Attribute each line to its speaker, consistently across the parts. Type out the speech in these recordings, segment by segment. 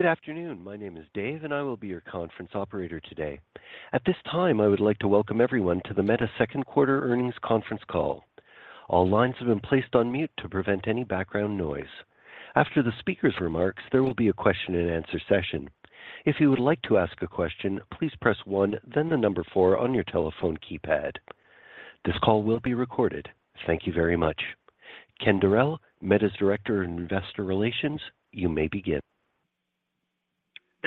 Speaker 1: Good afternoon. My name is Dave, and I will be your conference operator today. At this time, I would like to welcome everyone to the Meta Q2 Earnings Conference Call. All lines have been placed on mute to prevent any background noise. After the speaker's remarks, there will be a question-and-answer session. If you would like to ask a question, please press one, then the number four on your telephone keypad. This call will be recorded. Thank you very much. Ken Dorell, Meta's Director in Investor Relations, you may begin.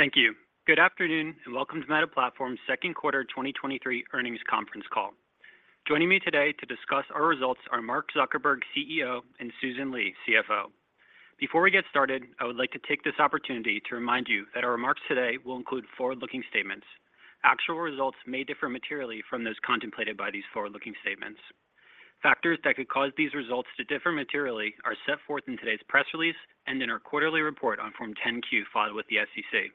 Speaker 2: Thank you. Good afternoon, and welcome to Meta Platforms Q2 2023 Earnings Conference Call. Joining me today to discuss our results are Mark Zuckerberg, CEO, and Susan Li, CFO. Before we get started, I would like to take this opportunity to remind you that our remarks today will include forward-looking statements. Actual results may differ materially from those contemplated by these forward-looking statements. Factors that could cause these results to differ materially are set forth in today's press release and in our quarterly report on Form 10-Q filed with the SEC.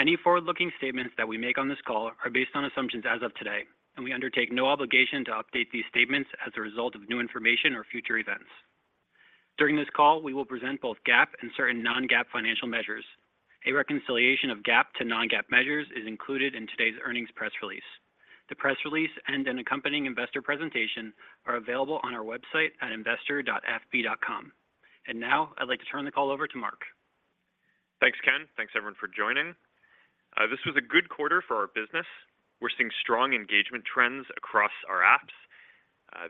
Speaker 2: Any forward-looking statements that we make on this call are based on assumptions as of today, and we undertake no obligation to update these statements as a result of new information or future events. During this call, we will present both GAAP and certain non-GAAP financial measures. A reconciliation of GAAP to non-GAAP measures is included in today's earnings press release. The press release and an accompanying investor presentation are available on our website at investor.meta.com. Now, I'd like to turn the call over to Mark.
Speaker 3: Thanks, Ken. Thanks, everyone, for joining. This was a good quarter for our business. We're seeing strong engagement trends across our apps.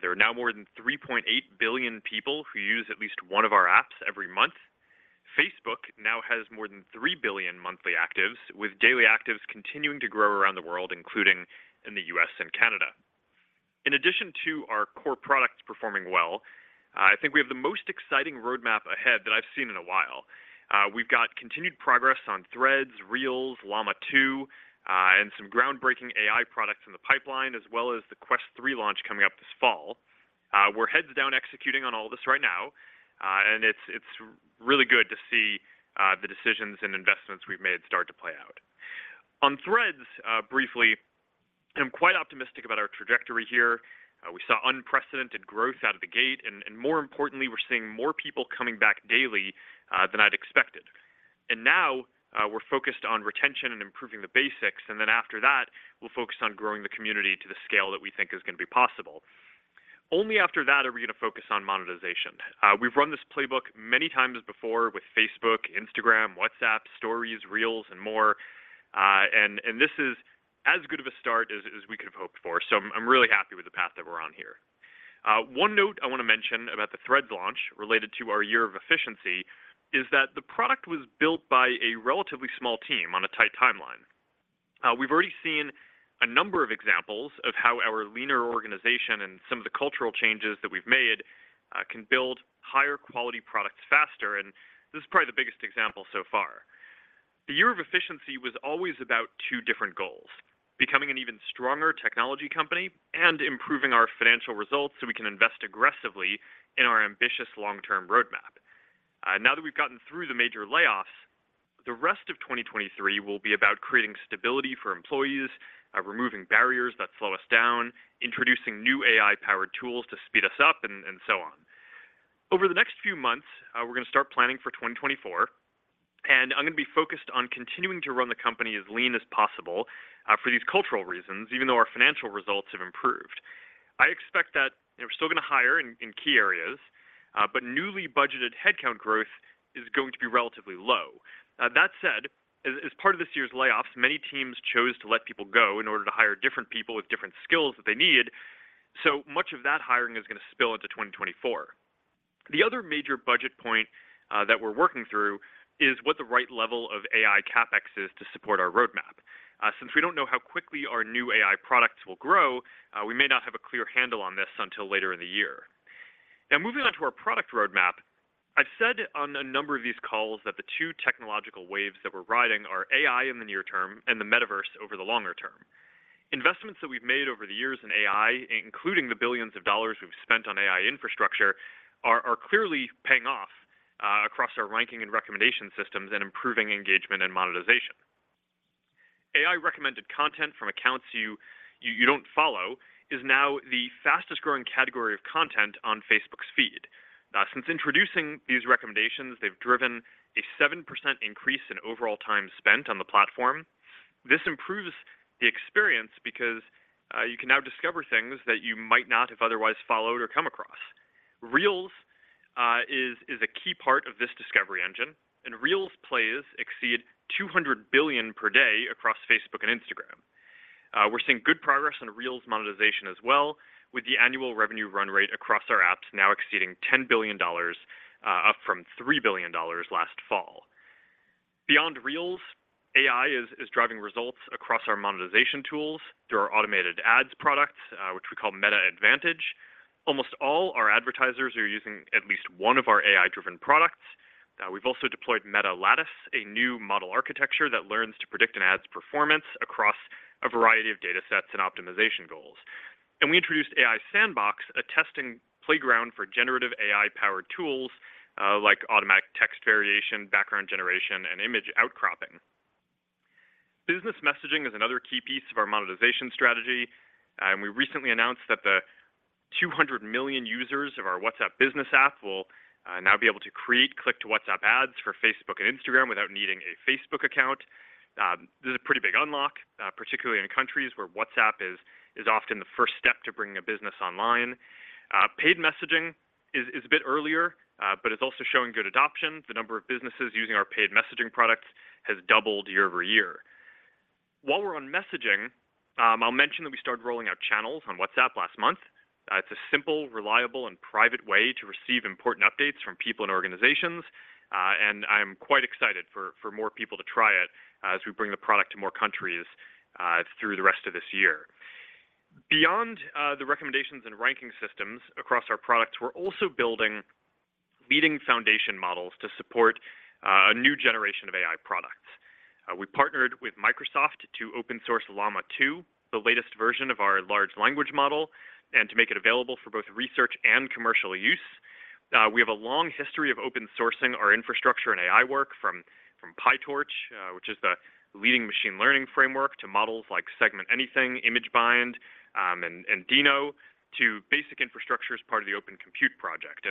Speaker 3: There are now more than 3.8 billion people who use at least one of our apps every month. Facebook now has more than 3 billion monthly actives, with daily actives continuing to grow around the world, including in the U.S. and Canada. In addition to our core products performing well, I think we have the most exciting roadmap ahead that I've seen in a while. We've got continued progress on Threads, Reels, Llama 2, and some groundbreaking AI products in the pipeline, as well as the Quest 3 launch coming up this fall. We're heads down executing on all this right now, and it's really good to see the decisions and investments we've made start to play out. On Threads, briefly, I'm quite optimistic about our trajectory here. We saw unprecedented growth out of the gate, and more importantly, we're seeing more people coming back daily than I'd expected. Now, we're focused on retention and improving the basics, and then after that, we'll focus on growing the community to the scale that we think is going to be possible. Only after that are we going to focus on monetization. We've run this playbook many times before with Facebook, Instagram, WhatsApp, Stories, Reels, and more, and this is as good of a start as we could have hoped for. I'm really happy with the path that we're on here. One note I want to mention about the Threads launch, related to our year of efficiency, is that the product was built by a relatively small team on a tight timeline. We've already seen a number of examples of how our leaner organization and some of the cultural changes that we've made, can build higher quality products faster, and this is probably the biggest example so far. The year of efficiency was always about two different goals: becoming an even stronger technology company and improving our financial results so we can invest aggressively in our ambitious long-term roadmap. Now that we've gotten through the major layoffs, the rest of 2023 will be about creating stability for employees, removing barriers that slow us down, introducing new AI-powered tools to speed us up, and so on. Over the next few months, we're going to start planning for 2024. I'm going to be focused on continuing to run the company as lean as possible for these cultural reasons, even though our financial results have improved. I expect that we're still going to hire in key areas, newly budgeted headcount growth is going to be relatively low. That said, as part of this year's layoffs, many teams chose to let people go in order to hire different people with different skills that they needed. Much of that hiring is going to spill into 2024. The other major budget point that we're working through is what the right level of AI CapEx is to support our roadmap. Since we don't know how quickly our new AI products will grow, we may not have a clear handle on this until later in the year. Moving on to our product roadmap, I've said on a number of these calls that the two technological waves that we're riding are AI in the near term and the metaverse over the longer term. Investments that we've made over the years in AI, including the billions of dollars we've spent on AI infrastructure, are clearly paying off, across our ranking and recommendation systems and improving engagement and monetization. AI-recommended content from accounts you don't follow is now the fastest-growing category of content on Facebook's Feed. Since introducing these recommendations, they've driven a 7% increase in overall time spent on the platform. This improves the experience because you can now discover things that you might not have otherwise followed or come across. Reels is a key part of this discovery engine. Reels plays exceed 200 billion per day across Facebook and Instagram. We're seeing good progress on Reels monetization as well, with the annual revenue run rate across our apps now exceeding $10 billion, up from $3 billion last fall. Beyond Reels, AI is driving results across our monetization tools through our automated ads products, which we call Meta Advantage. Almost all our advertisers are using at least one of our AI-driven products. We've also deployed Meta Lattice, a new model architecture that learns to predict an ads performance across a variety of data sets and optimization goals. We introduced AI Sandbox, a testing playground for generative AI-powered tools, like automatic text variation and background generation. Business messaging is another key piece of our monetization strategy, and we recently announced that the 200 million users of our WhatsApp Business app will now be able to create Click to WhatsApp ads for Facebook and Instagram without needing a Facebook account. This is a pretty big unlock, particularly in countries where WhatsApp is often the first step to bringing a business online. Paid messaging is a bit earlier, but it's also showing good adoption. The number of businesses using our paid messaging products has doubled year-over-year. While we're on messaging, I'll mention that we started rolling out channels on WhatsApp last month. It's a simple, reliable, and private way to receive important updates from people and organizations, and I'm quite excited for more people to try it as we bring the product to more countries through the rest of this year. Beyond the recommendations and ranking systems across our products, we're also building leading foundation models to support a new generation of AI products. We partnered with Microsoft to open source Llama 2, the latest version of our large language model, and to make it available for both research and commercial use. We have a long history of open sourcing our infrastructure and AI work from PyTorch, which is the leading machine learning framework, to models like Segment Anything, ImageBind, and DINO, to basic infrastructure as part of the Open Compute Project.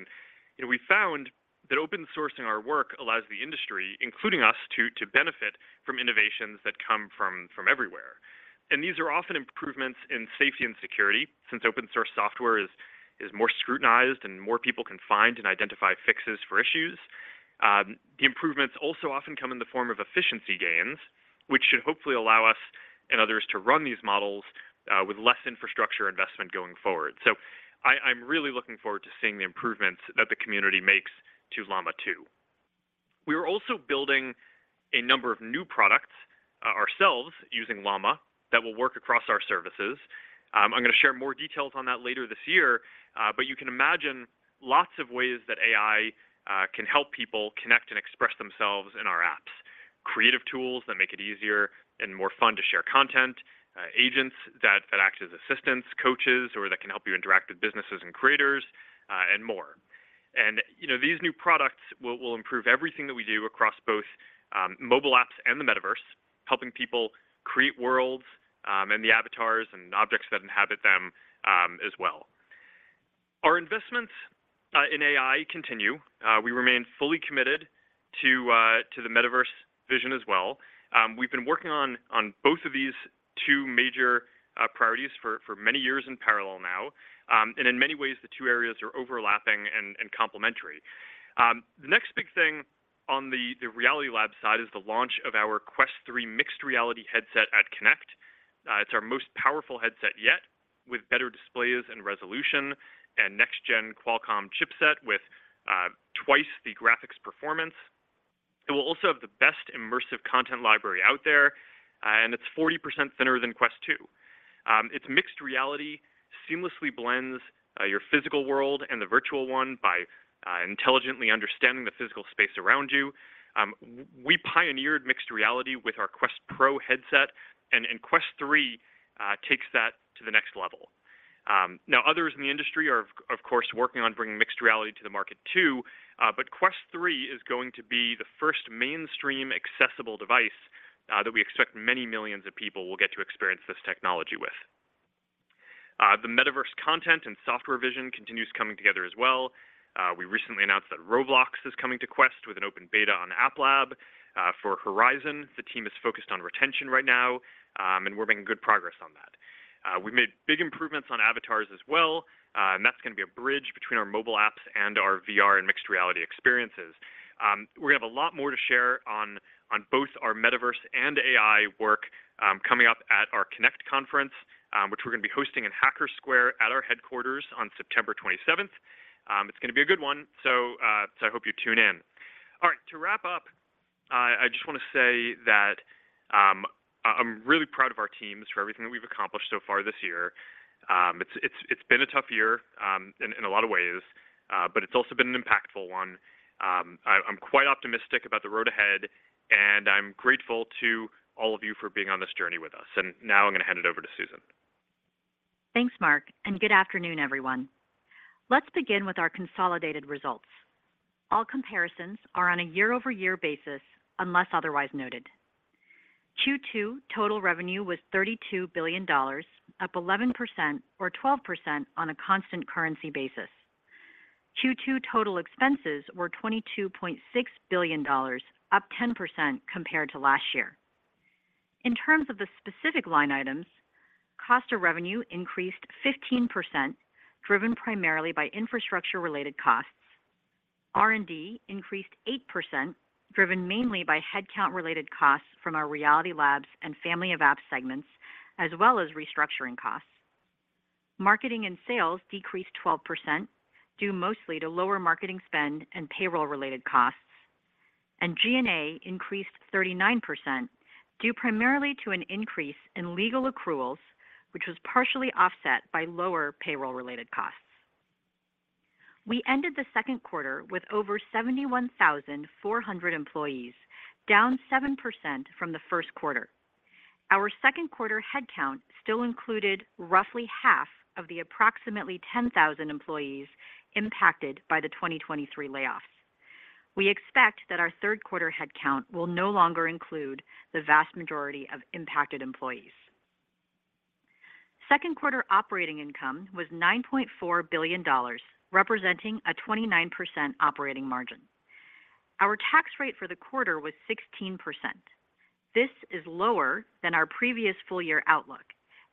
Speaker 3: We found that open sourcing our work allows the industry, including us, to benefit from innovations that come from everywhere. These are often improvements in safety and security, since open source software is more scrutinized and more people can find and identify fixes for issues. The improvements also often come in the form of efficiency gains, which should hopefully allow us and others to run these models with less infrastructure investment going forward. I'm really looking forward to seeing the improvements that the community makes to Llama 2. We are also building a number of new products ourselves using Llama, that will work across our services. I'm going to share more details on that later this year, but you can imagine lots of ways that AI can help people connect and express themselves in our apps. Creative tools that make it easier and more fun to share content, agents that act as assistants, coaches, or that can help you interact with businesses and creators, and more. You know, these new products will improve everything that we do across both mobile apps and the metaverse, helping people create worlds, and the avatars and objects that inhabit them, as well. Our investments in AI continue. We remain fully committed to the metaverse vision as well. We've been working on both of these two major priorities for many years in parallel now. In many ways, the two areas are overlapping and complementary. The next big thing on the Reality Labs side is the launch of our Quest 3 mixed reality headset at Connect. It's our most powerful headset yet, with better displays and resolution and next-gen Qualcomm chipset with twice the graphics performance. It will also have the best immersive content library out there. It's 40% thinner than Quest 2. It's mixed reality seamlessly blends your physical world and the virtual one by intelligently understanding the physical space around you. We pioneered mixed reality with our Quest Pro headset, and Quest 3 takes that to the next level. Others in the industry are of course working on bringing mixed reality to the market too. Quest 3 is going to be the first mainstream accessible device that we expect many millions of people will get to experience this technology with. The Metaverse content and software vision continues coming together as well. We recently announced that Roblox is coming to Quest with an open beta on App Lab. For Horizon, the team is focused on retention right now, and we're making good progress on that. We've made big improvements on avatars as well, and that's going to be a bridge between our mobile apps and our VR and mixed reality experiences. We're going to have a lot more to share on both our metaverse and AI work, coming up at our Connect conference, which we're going to be hosting in Hacker Square at our headquarters on September 27th. It's going to be a good one, so I hope you tune in. All right, to wrap up, I just want to say that, I'm really proud of our teams for everything that we've accomplished so far this year. It's been a tough year, in a lot of ways, but it's also been an impactful one. I'm quite optimistic about the road ahead, and I'm grateful to all of you for being on this journey with us. Now I'm going to hand it over to Susan.
Speaker 4: Thanks, Mark, and good afternoon, everyone. Let's begin with our consolidated results. All comparisons are on a year-over-year basis, unless otherwise noted. Q2 total revenue was $32 billion, up 11% or 12% on a constant currency basis. Q2 total expenses were $22.6 billion, up 10% compared to last year. In terms of the specific line items, cost of revenue increased 15%, driven primarily by infrastructure-related costs. R&D increased 8%, driven mainly by headcount-related costs from our Reality Labs and Family of Apps segments, as well as restructuring costs. Marketing and sales decreased 12%, due mostly to lower marketing spend and payroll-related costs, G&A increased 39%, due primarily to an increase in legal accruals, which was partially offset by lower payroll-related costs. We ended the Q2 with over 71,400 employees, down 7% from the Q1. Our Q2 headcount still included roughly half of the approximately 10,000 employees impacted by the 2023 layoffs. We expect that our Q3 headcount will no longer include the vast majority of impacted employees. Q2 operating income was $9.4 billion, representing a 29% operating margin. Our tax rate for the quarter was 16%. This is lower than our previous full year outlook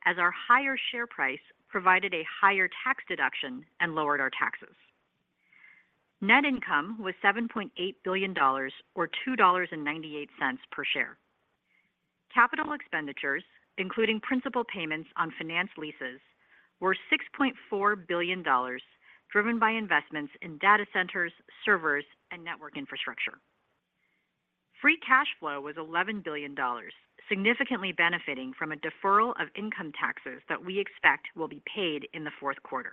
Speaker 4: as our higher share price provided a higher tax deduction and lowered our taxes. Net income was $7.8 billion or $2.98 per share. Capital expenditures, including principal payments on finance leases, were $6.4 billion, driven by investments in data centers, servers, and network infrastructure. Free Cash Flow was $11 billion, significantly benefiting from a deferral of income taxes that we expect will be paid in the Q4.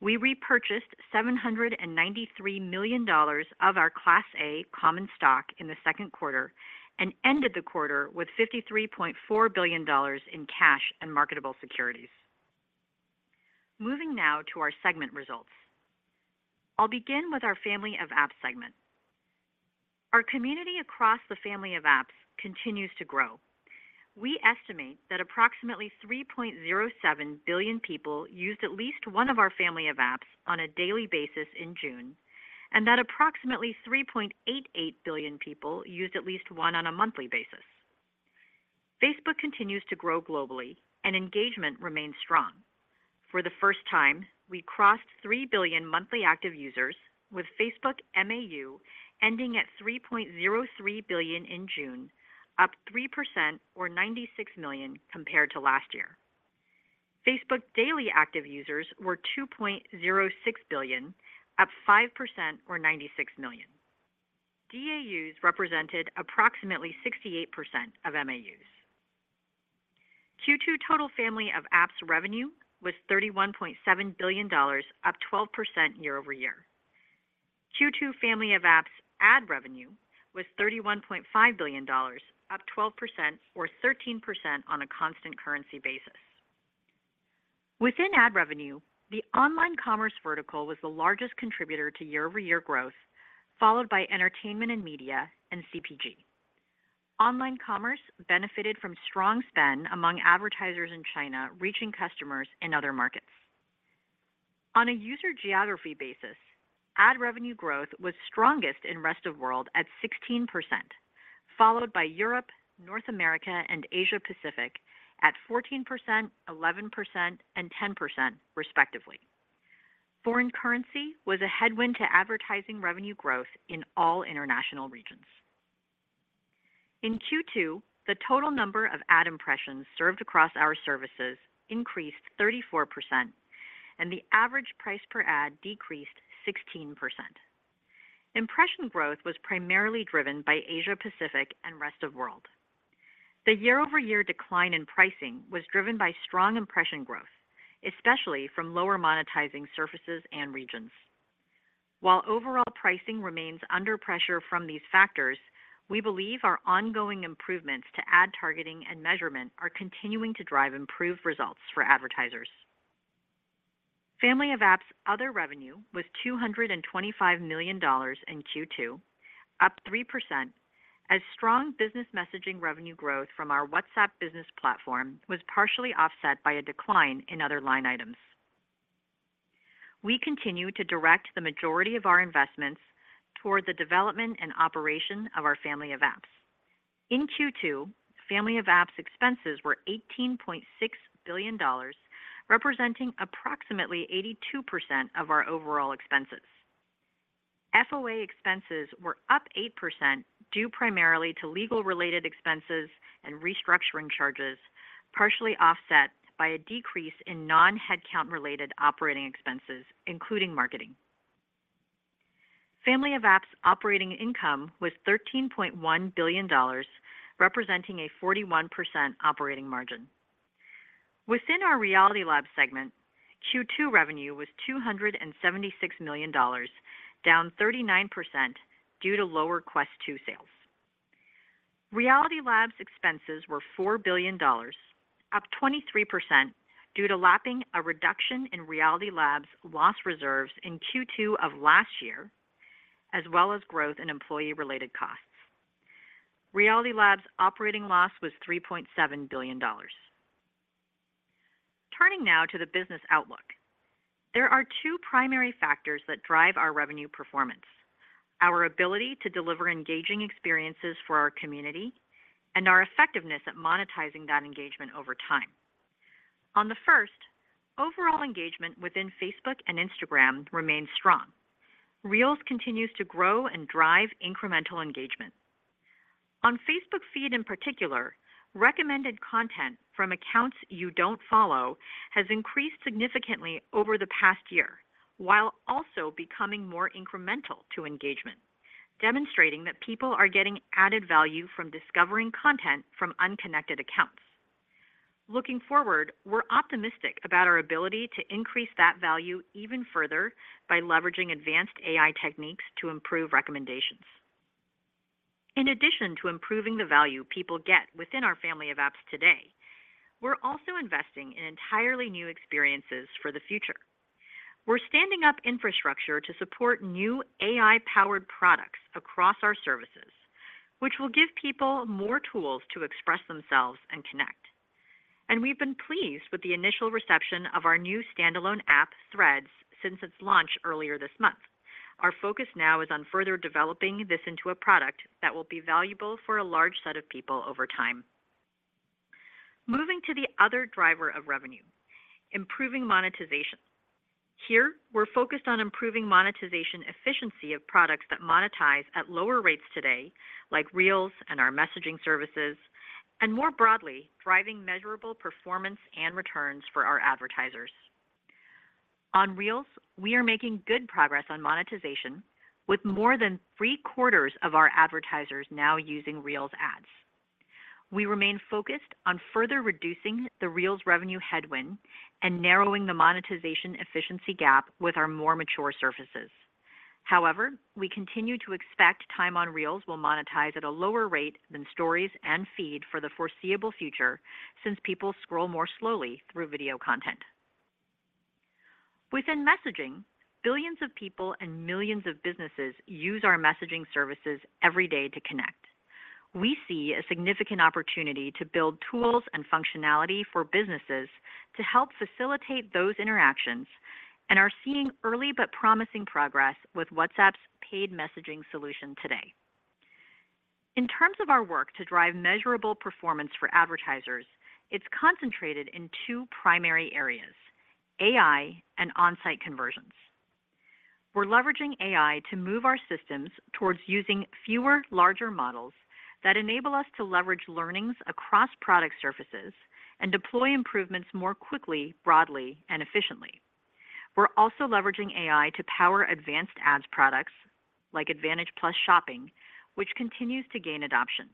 Speaker 4: We repurchased $793 million of our Class A common stock in the Q2 and ended the quarter with $53.4 billion in cash and marketable securities. Moving now to our segment results. I'll begin with our Family of Apps segment. Our community across the Family of Apps continues to grow. We estimate that approximately 3.07 billion people used at least one of our Family of Apps on a daily basis in June, and that approximately 3.88 billion people used at least one on a monthly basis. Facebook continues to grow globally and engagement remains strong. For the first time, we crossed 3 billion monthly active users, with Facebook MAU ending at 3.03 billion in June, up 3% or 96 million compared to last year. Facebook daily active users were 2.06 billion, up 5% or 96 million. DAUs represented approximately 68% of MAUs. Q2 total Family of Apps revenue was $31.7 billion, up 12% year-over-year. Q2 Family of Apps ad revenue was $31.5 billion, up 12% or 13% on a constant currency basis. Within ad revenue, the online commerce vertical was the largest contributor to year-over-year growth, followed by entertainment and media, and CPG. Online commerce benefited from strong spend among advertisers in China, reaching customers in other markets. On a user geography basis, ad revenue growth was strongest in rest of world at 16%, followed by Europe, North America, and Asia Pacific at 14%, 11%, and 10%, respectively. Foreign currency was a headwind to advertising revenue growth in all international regions. In Q2, the total number of ad impressions served across our services increased 34%, and the average price per ad decreased 16%. Impression growth was primarily driven by Asia Pacific and Rest of World. The year-over-year decline in pricing was driven by strong impression growth, especially from lower monetizing surfaces and regions. While overall pricing remains under pressure from these factors, we believe our ongoing improvements to ad targeting and measurement are continuing to drive improved results for advertisers. Family of Apps, other revenue was $225 million in Q2, up 3%, as strong business messaging revenue growth from our WhatsApp Business Platform was partially offset by a decline in other line items. We continue to direct the majority of our investments toward the development and operation of our Family of Apps. In Q2, Family of Apps expenses were $18.6 billion, representing approximately 82% of our overall expenses. FOA expenses were up 8%, due primarily to legal-related expenses and restructuring charges, partially offset by a decrease in non-headcount related operating expenses, including marketing. Family of Apps operating income was $13.1 billion, representing a 41% operating margin. Within our Reality Labs segment, Q2 revenue was $276 million, down 39% due to lower Quest 2 sales. Reality Labs expenses were $4 billion, up 23%, due to lapping a reduction in Reality Labs loss reserves in Q2 of last year, as well as growth in employee-related costs. Reality Labs operating loss was $3.7 billion. Turning now to the business outlook. There are two primary factors that drive our revenue performance: our ability to deliver engaging experiences for our community and our effectiveness at monetizing that engagement over time. On the first, overall engagement within Facebook and Instagram remains strong. Reels continues to grow and drive incremental engagement. On Facebook Feed, in particular, recommended content from accounts you don't follow has increased significantly over the past year, while also becoming more incremental to engagement, demonstrating that people are getting added value from discovering content from unconnected accounts. Looking forward, we're optimistic about our ability to increase that value even further by leveraging advanced AI techniques to improve recommendations. In addition to improving the value people get within our Family of Apps today, we're also investing in entirely new experiences for the future. We're standing up infrastructure to support new AI-powered products across our services, which will give people more tools to express themselves and connect. We've been pleased with the initial reception of our new standalone app, Threads, since its launch earlier this month. Our focus now is on further developing this into a product that will be valuable for a large set of people over time. Moving to the other driver of revenue: Improving Monetization. Here, we're focused on improving monetization efficiency of products that monetize at lower rates today, like Reels and our messaging services, and more broadly, driving measurable performance and returns for our advertisers. On Reels, we are making good progress on monetization, with more than three-quarters of our advertisers now using Reels ads. We remain focused on further reducing the Reels revenue headwind and narrowing the monetization efficiency gap with our more mature surfaces. We continue to expect time on Reels will monetize at a lower rate than Stories and Feed for the foreseeable future, since people scroll more slowly through video content. Within messaging, billions of people and millions of businesses use our messaging services every day to connect. We see a significant opportunity to build tools and functionality for businesses to help facilitate those interactions and are seeing early but promising progress with WhatsApp's paid messaging solution today. In terms of our work to drive measurable performance for advertisers, it's concentrated in two primary areas: AI and on-site conversions. We're leveraging AI to move our systems towards using fewer, larger models that enable us to leverage learnings across product surfaces and deploy improvements more quickly, broadly, and efficiently. We're also leveraging AI to power advanced ads products like Advantage+ Shopping, which continues to gain adoption.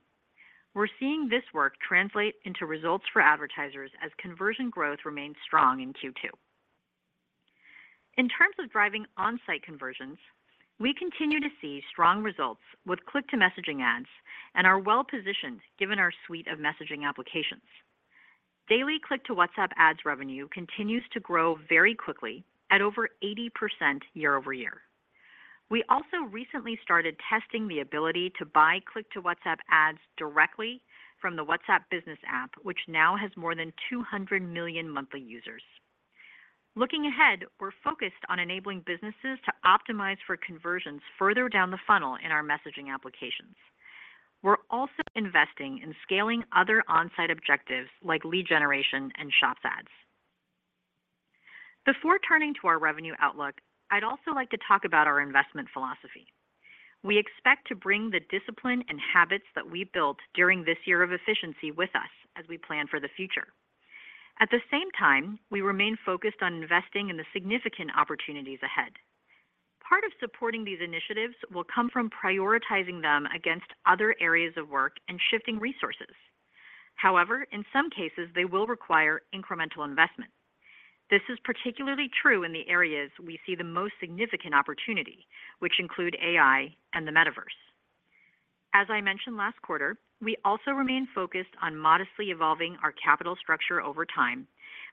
Speaker 4: We're seeing this work translate into results for advertisers as conversion growth remains strong in Q2. In terms of driving on-site conversions, we continue to see strong results with Click-to-Messaging ads and are well-positioned given our suite of messaging applications. Daily Click to WhatsApp ads revenue continues to grow very quickly at over 80% year-over-year. We also recently started testing the ability to buy Click to WhatsApp ads directly from the WhatsApp Business app, which now has more than 200 million monthly users. Looking ahead, we're focused on enabling businesses to optimize for conversions further down the funnel in our messaging applications. We're also investing in scaling other on-site objectives like lead generation and Shops ads. Before turning to our revenue outlook, I'd also like to talk about our investment philosophy. We expect to bring the discipline and habits that we built during this year of efficiency with us as we plan for the future. At the same time, we remain focused on investing in the significant opportunities ahead. Part of supporting these initiatives will come from prioritizing them against other areas of work and shifting resources. However, in some cases, they will require incremental investment. This is particularly true in the areas we see the most significant opportunity, which include AI and the Metaverse. As I mentioned last quarter, we also remain focused on modestly evolving our capital structure over time.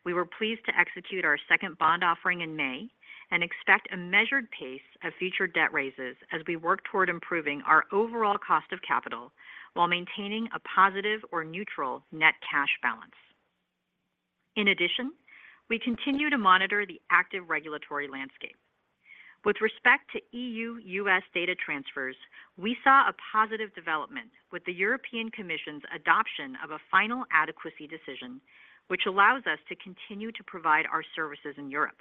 Speaker 4: We were pleased to execute our second bond offering in May and expect a measured pace of future debt raises as we work toward improving our overall cost of capital while maintaining a positive or neutral net cash balance. In addition, we continue to monitor the active regulatory landscape. With respect to EU-U.S. data transfers, we saw a positive development with the European Commission's adoption of a final adequacy decision, which allows us to continue to provide our services in Europe.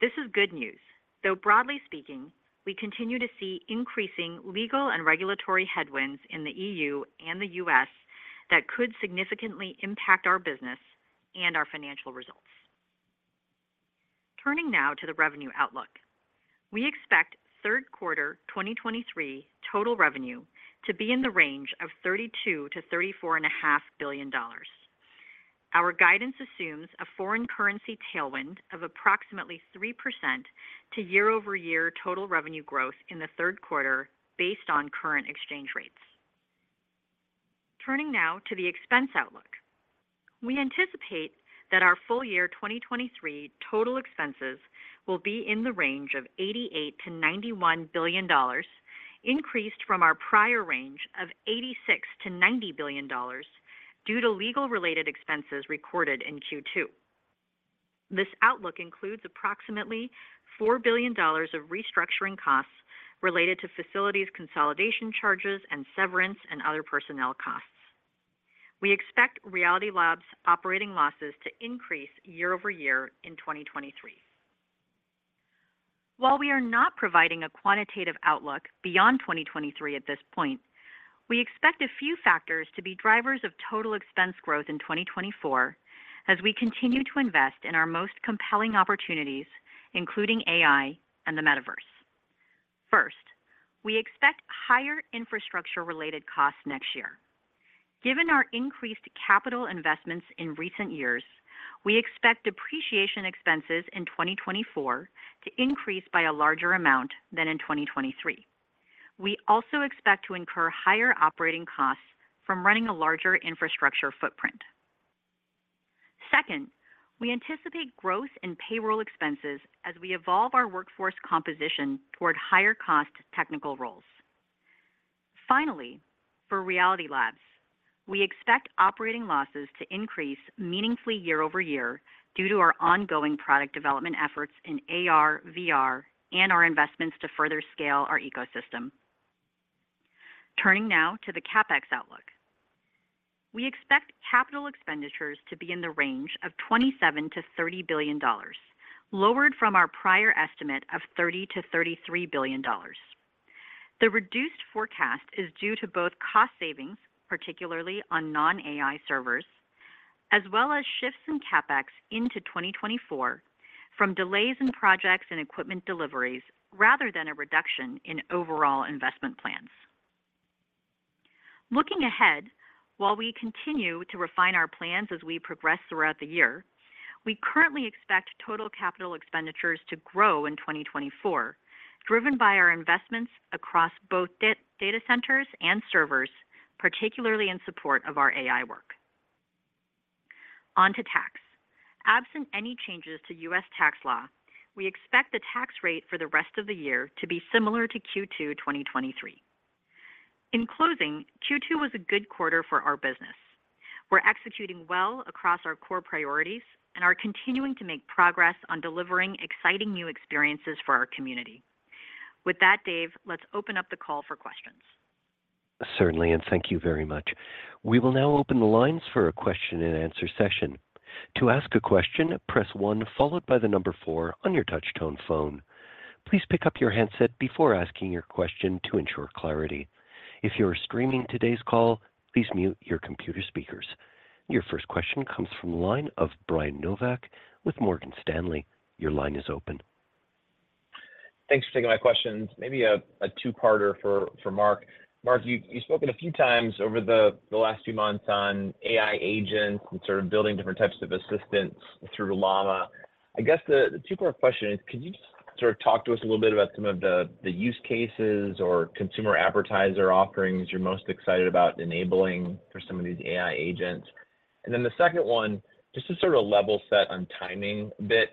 Speaker 4: This is good news, though broadly speaking, we continue to see increasing legal and regulatory headwinds in the EU and the U.S. that could significantly impact our business and our financial results. Turning now to the revenue outlook. We expect Q3 2023 total revenue to be in the range of $32 billion-$34.5 billion. Our guidance assumes a foreign currency tailwind of approximately 3% to year-over-year total revenue growth in the Q3 based on current exchange rates. Turning now to the expense outlook. We anticipate that our full year 2023 total expenses will be in the range of $88 billion-$91 billion, increased from our prior range of $86 billion-$90 billion due to legal-related expenses recorded in Q2. This outlook includes approximately $4 billion of restructuring costs related to facilities consolidation charges and severance and other personnel costs. We expect Reality Labs operating losses to increase year-over-year in 2023. While we are not providing a quantitative outlook beyond 2023 at this point, we expect a few factors to be drivers of total expense growth in 2024 as we continue to invest in our most compelling opportunities, including AI and the metaverse. First, we expect higher infrastructure-related costs next year. Given our increased capital investments in recent years, we expect depreciation expenses in 2024 to increase by a larger amount than in 2023. We also expect to incur higher operating costs from running a larger infrastructure footprint. Second, we anticipate growth in payroll expenses as we evolve our workforce composition toward higher cost technical roles. Finally, for Reality Labs, we expect operating losses to increase meaningfully year-over-year due to our ongoing product development efforts in AR, VR, and our investments to further scale our ecosystem. Turning now to the CapEx outlook. We expect capital expenditures to be in the range of $27 billion-$30 billion, lowered from our prior estimate of $30 billion-$33 billion. The reduced forecast is due to both cost savings, particularly on non-AI servers, as well as shifts in CapEx into 2024 from delays in projects and equipment deliveries, rather than a reduction in overall investment plans. Looking ahead, while we continue to refine our plans as we progress throughout the year, we currently expect total capital expenditures to grow in 2024, driven by our investments across both data centers and servers, particularly in support of our AI work. On to tax. Absent any changes to U.S. tax law, we expect the tax rate for the rest of the year to be similar to Q2 2023. In closing, Q2 was a good quarter for our business. We're executing well across our core priorities and are continuing to make progress on delivering exciting new experiences for our community. With that, Dave, let's open up the call for questions.
Speaker 1: Certainly, thank you very much. We will now open the lines for a question-and-answer session. To ask a question, press one followed by the number four on your touchtone phone. Please pick up your handset before asking your question to ensure clarity. If you are streaming today's call, please mute your computer speakers. Your first question comes from the line of Brian Nowak with Morgan Stanley. Your line is open.
Speaker 5: Thanks for taking my questions. Maybe a two-parter for Mark. Mark, you've spoken a few times over the last few months on AI agents and sort of building different types of assistants through Llama. I guess the two-part question is, could you just sort of talk to us a little bit about some of the use cases or consumer advertiser offerings you're most excited about enabling for some of these AI agents? The second one, just to sort of level set on timing a bit,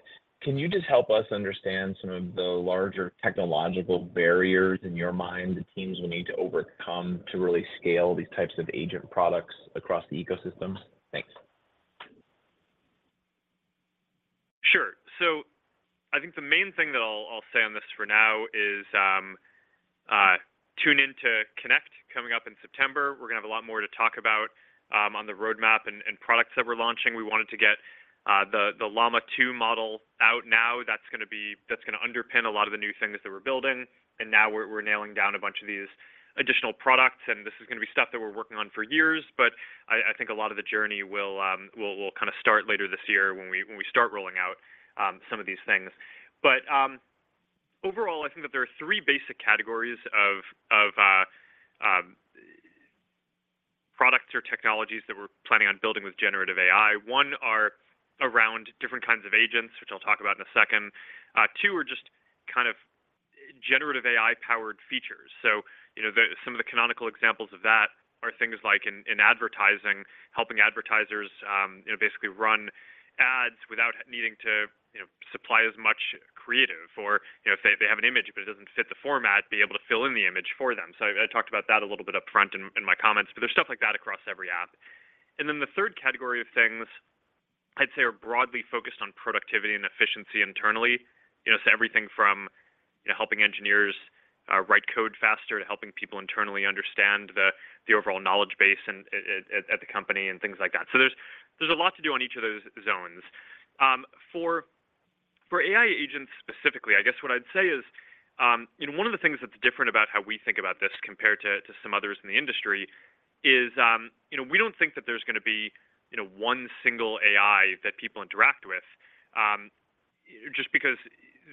Speaker 5: can you just help us understand some of the larger technological barriers in your mind the teams will need to overcome to really scale these types of agent products across the ecosystems? Thanks.
Speaker 3: Sure. I think the main thing that I'll say on this for now is, tune in to Connect coming up in September. We're going to have a lot more to talk about, on the roadmap and products that we're launching. We wanted to get the Llama 2 model out now. That's going to underpin a lot of the new things that we're building, and now we're nailing down a bunch of these additional products, and this is going to be stuff that we're working on for years. I think a lot of the journey will kind of start later this year when we start rolling out some of these things. Overall, I think that there are three basic categories of products or technologies that we're planning on building with generative AI. One are around different kinds of agents, which I'll talk about in a second. Two are just kind of generative AI-powered features. You know, some of the canonical examples of that are things like in advertising, helping advertisers, you know, basically run ads without needing to supply as much creative or if they have an image, but it doesn't fit the format, be able to fill in the image for them. I talked about that a little bit upfront in my comments, but there's stuff like that across every app. The third category of things I'd say are broadly focused on productivity and efficiency internally. You know, everything from helping engineers, write code faster to helping people internally understand the overall knowledge base and at the company and things like that. There's a lot to do on each of those zones. For AI agents specifically, I guess what I'd say is, you know, one of the things that's different about how we think about this compared to some others in the industry is, you know, we don't think that there's going to be, you know, one single AI that people interact with, just because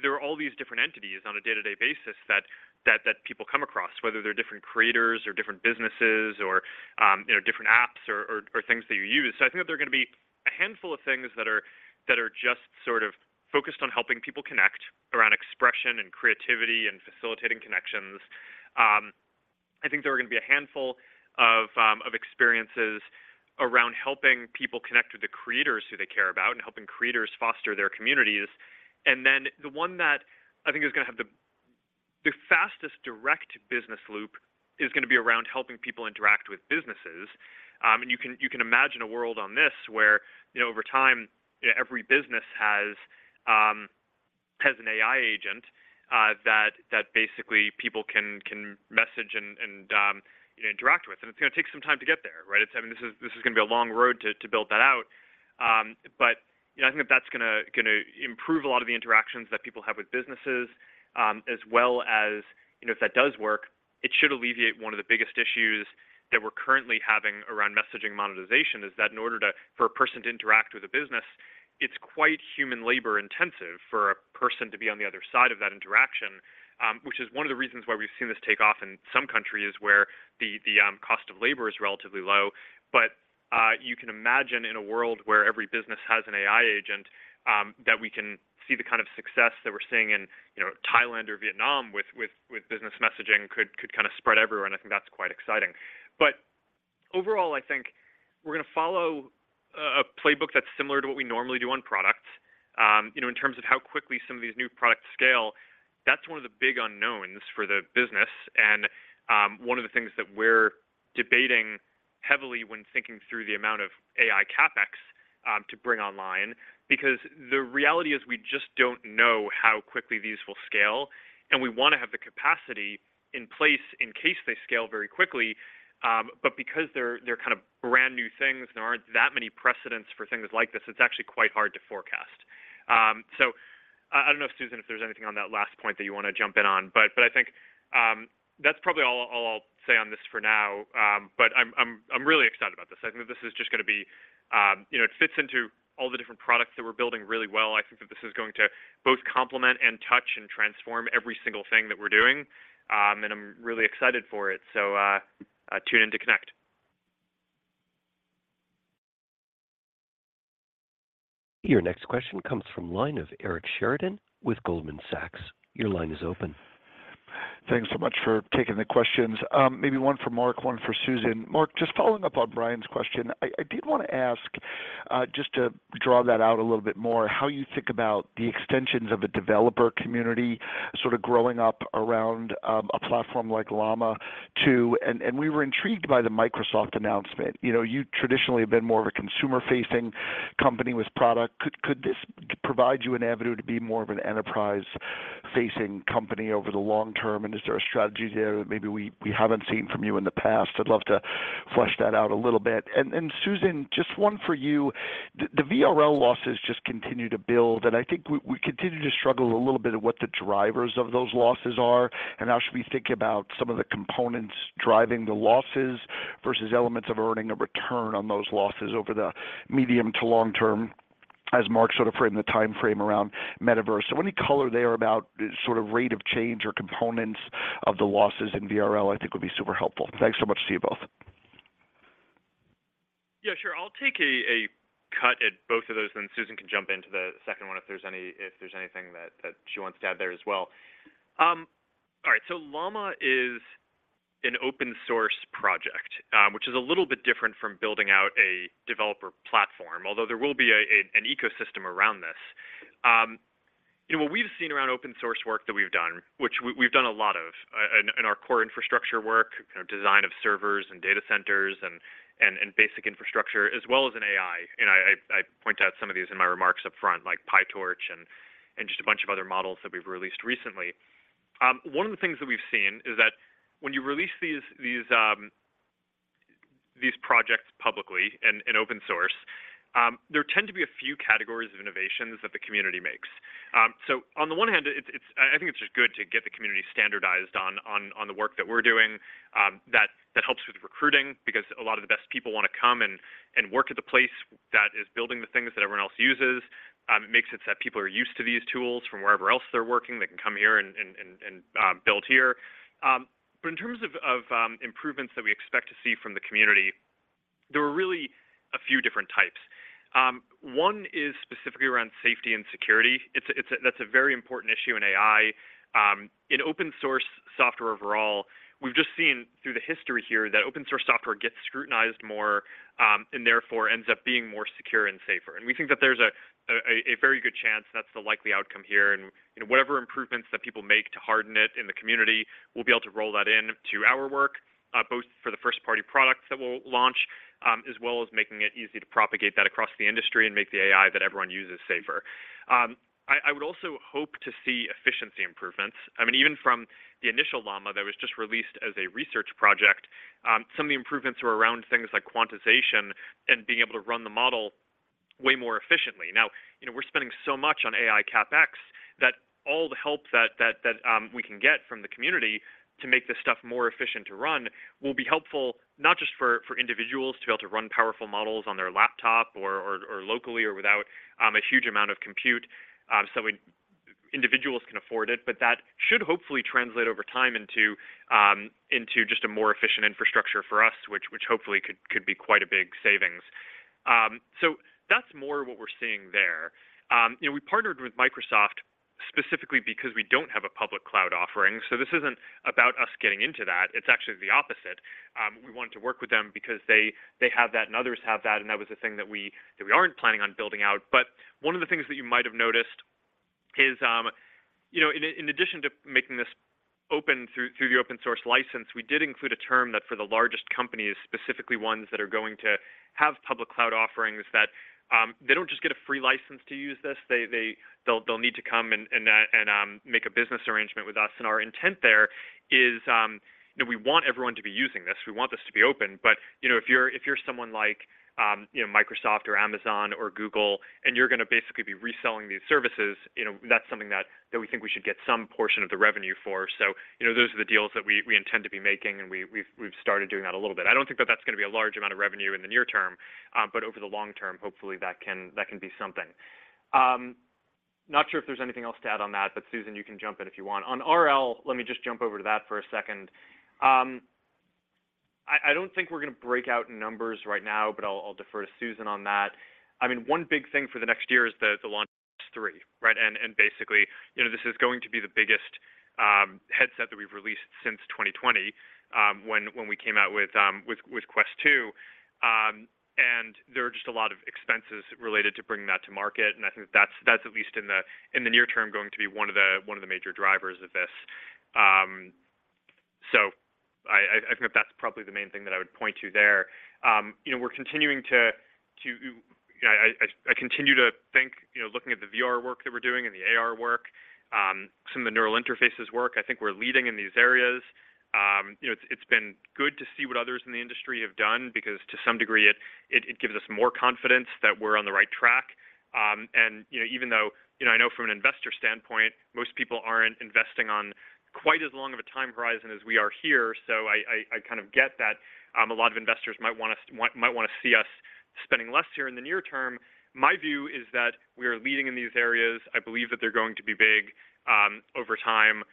Speaker 3: there are all these different entities on a day-to-day basis that people come across, whether they're different creators or different businesses or, you know, different apps or things that you use. I think that there are going to be a handful of things that are just sort of focused on helping people connect around expression and creativity and facilitating connections. I think there are going to be a handful of experiences around helping people connect with the creators who they care about and helping creators foster their communities. Then the one that I think is going to have the fastest direct business loop is going to be around helping people interact with businesses. You can, you can imagine a world on this where, you know, over time, every business has an AI agent that basically people can message and interact with. It's going to take some time to get there, right? I mean, this is going to be a long road to build that out. You know, I think that's gonna improve a lot of the interactions that people have with businesses, as well as, you know, if that does work, it should alleviate one of the biggest issues that we're currently having around messaging monetization, is that in order for a person to interact with a business, it's quite human labor-intensive for a person to be on the other side of that interaction, which is one of the reasons why we've seen this take off in some countries where the cost of labor is relatively low. You can imagine in a world where every business has an AI agent, that we can see the kind of success that we're seeing in, you know, Thailand or Vietnam with business messaging could kind of spread everywhere, and I think that's quite exciting. Overall, I think we're going to follow a playbook that's similar to what we normally do on products. You know, in terms of how quickly some of these new products scale, that's one of the big unknowns for the business and, one of the things that we're debating heavily when thinking through the amount of AI CapEx to bring online, because the reality is we just don't know how quickly these will scale, and we want to have the capacity in place in case they scale very quickly. Because they're brand-new things, there aren't that many precedents for things like this, it's actually quite hard to forecast. I don't know, Susan, if there's anything on that last point that you want to jump in on, but I think that's probably all I'll say on this for now. I'm really excited about this. I think that this is just going to be, you know, it fits into all the different products that we're building really well. I think that this is going to both complement and touch and transform every single thing that we're doing, and I'm really excited for it, so tune in to Meta Connect.
Speaker 1: Your next question comes from line of Eric Sheridan with Goldman Sachs. Your line is open.
Speaker 6: Thanks so much for taking the questions. Maybe one for Mark, one for Susan. Mark, just following up on Brian's question, I did want to ask, just to draw that out a little bit more, how you think about the extensions of the developer community sort of growing up around a platform like Llama 2. We were intrigued by the Microsoft announcement. You know, you traditionally have been more of a consumer-facing company with product. Could this provide you an avenue to be more of an enterprise-facing company over the long term, and is there a strategy there that maybe we haven't seen from you in the past? I'd love to flesh that out a little bit. Susan, just one for you. The, the VRL losses just continue to build, and I think we continue to struggle a little bit of what the drivers of those losses are, and how should we think about some of the components driving the losses versus elements of earning a return on those losses over the medium to long term, as Mark sort of framed the time frame around Metaverse. Any color there about the sort of rate of change or components of the losses in VRL, I think, would be super helpful. Thanks so much to you both.
Speaker 3: Yeah, sure. I'll take a cut at both of those, then Susan can jump into the second one if there's anything that she wants to add there as well. All right, Llama is an open-source project, which is a little bit different from building out a developer platform, although there will be an ecosystem around this. You know, what we've seen around open-source work that we've done, which we've done a lot in our core infrastructure work, kind of design of servers and data centers and basic infrastructure, as well as in AI. I point out some of these in my remarks up front, like PyTorch and just a bunch of other models that we've released recently. One of the things that we've seen is that when you release these projects publicly and in open source, there tend to be a few categories of innovations that the community makes. On the one hand, it's, I think it's just good to get the community standardized on the work that we're doing. That helps with recruiting because a lot of the best people want to come and work at the place that is building the things that everyone else uses. It makes it so that people are used to these tools from wherever else they're working. They can come here and build here. In terms of improvements that we expect to see from the community, there are really a few different types. One is specifically around safety and security. That's a very important issue in AI. In open-source software overall, we've just seen through the history here that open-source software gets scrutinized more, and therefore ends up being more secure and safer. We think that there's a very good chance that's the likely outcome here. You know, whatever improvements that people make to harden it in the community, we'll be able to roll that in to our work, both for the first-party products that we'll launch, as well as making it easy to propagate that across the industry and make the AI that everyone uses safer. I would also hope to see efficiency improvements. I mean, even from the initial Llama that was just released as a research project, some of the improvements were around things like quantization and being able to run the model way more efficiently. Now, you know, we're spending so much on AI CapEx that all the help that we can get from the community to make this stuff more efficient to run will be helpful, not just for individuals to be able to run powerful models on their laptop or locally or without a huge amount of compute, so individuals can afford it. That should hopefully translate over time into just a more efficient infrastructure for us, which hopefully could be quite a big savings. That's more what we're seeing there. You know, we partnered with Microsoft specifically because we don't have a public cloud offering, this isn't about us getting into that. It's actually the opposite. We wanted to work with them because they have that and others have that we aren't planning on building out. One of the things that you might have noticed is, you know, in addition to making this open through the open-source license, we did include a term that for the largest companies, specifically ones that are going to have public cloud offerings, that they don't just get a free license to use this. They'll need to come and make a business arrangement with us. Our intent there is, you know, we want everyone to be using this. We want this to be open. You know, if you're, if you're someone like, you know, Microsoft or Amazon or Google, and you're going to basically be reselling these services, you know, that's something that we think we should get some portion of the revenue for. You know, those are the deals that we intend to be making, and we've started doing that a little bit. I don't think that that's going to be a large amount of revenue in the near term, but over the long term, hopefully, that can be something. Not sure if there's anything else to add on that, but Susan, you can jump in if you want. On RL, let me just jump over to that for a second. I don't think we're going to break out numbers right now, but I'll defer to Susan on that. I mean, one big thing for the next year is the launch of Quest 3, right? Basically, you know, this is going to be the biggest headset that we've released since 2020, when we came out with Quest 2. There are just a lot of expenses related to bringing that to market, and I think that's at least in the near term, going to be one of the major drivers of this. I think that's probably the main thing that I would point to there. You know, we're continuing to I continue to think, you know, looking at the VR work that we're doing and the AR work, some of the neural interfaces work, I think we're leading in these areas. You know, it's been good to see what others in the industry have done because to some degree, it gives us more confidence that we're on the right track. You know, even though, you know, I know from an investor standpoint, most people aren't investing on quite as long of a time horizon as we are here. I kind of get that, a lot of investors might want to see us spending less here in the near term. My view is that we are leading in these areas. I believe that they're going to be big over time.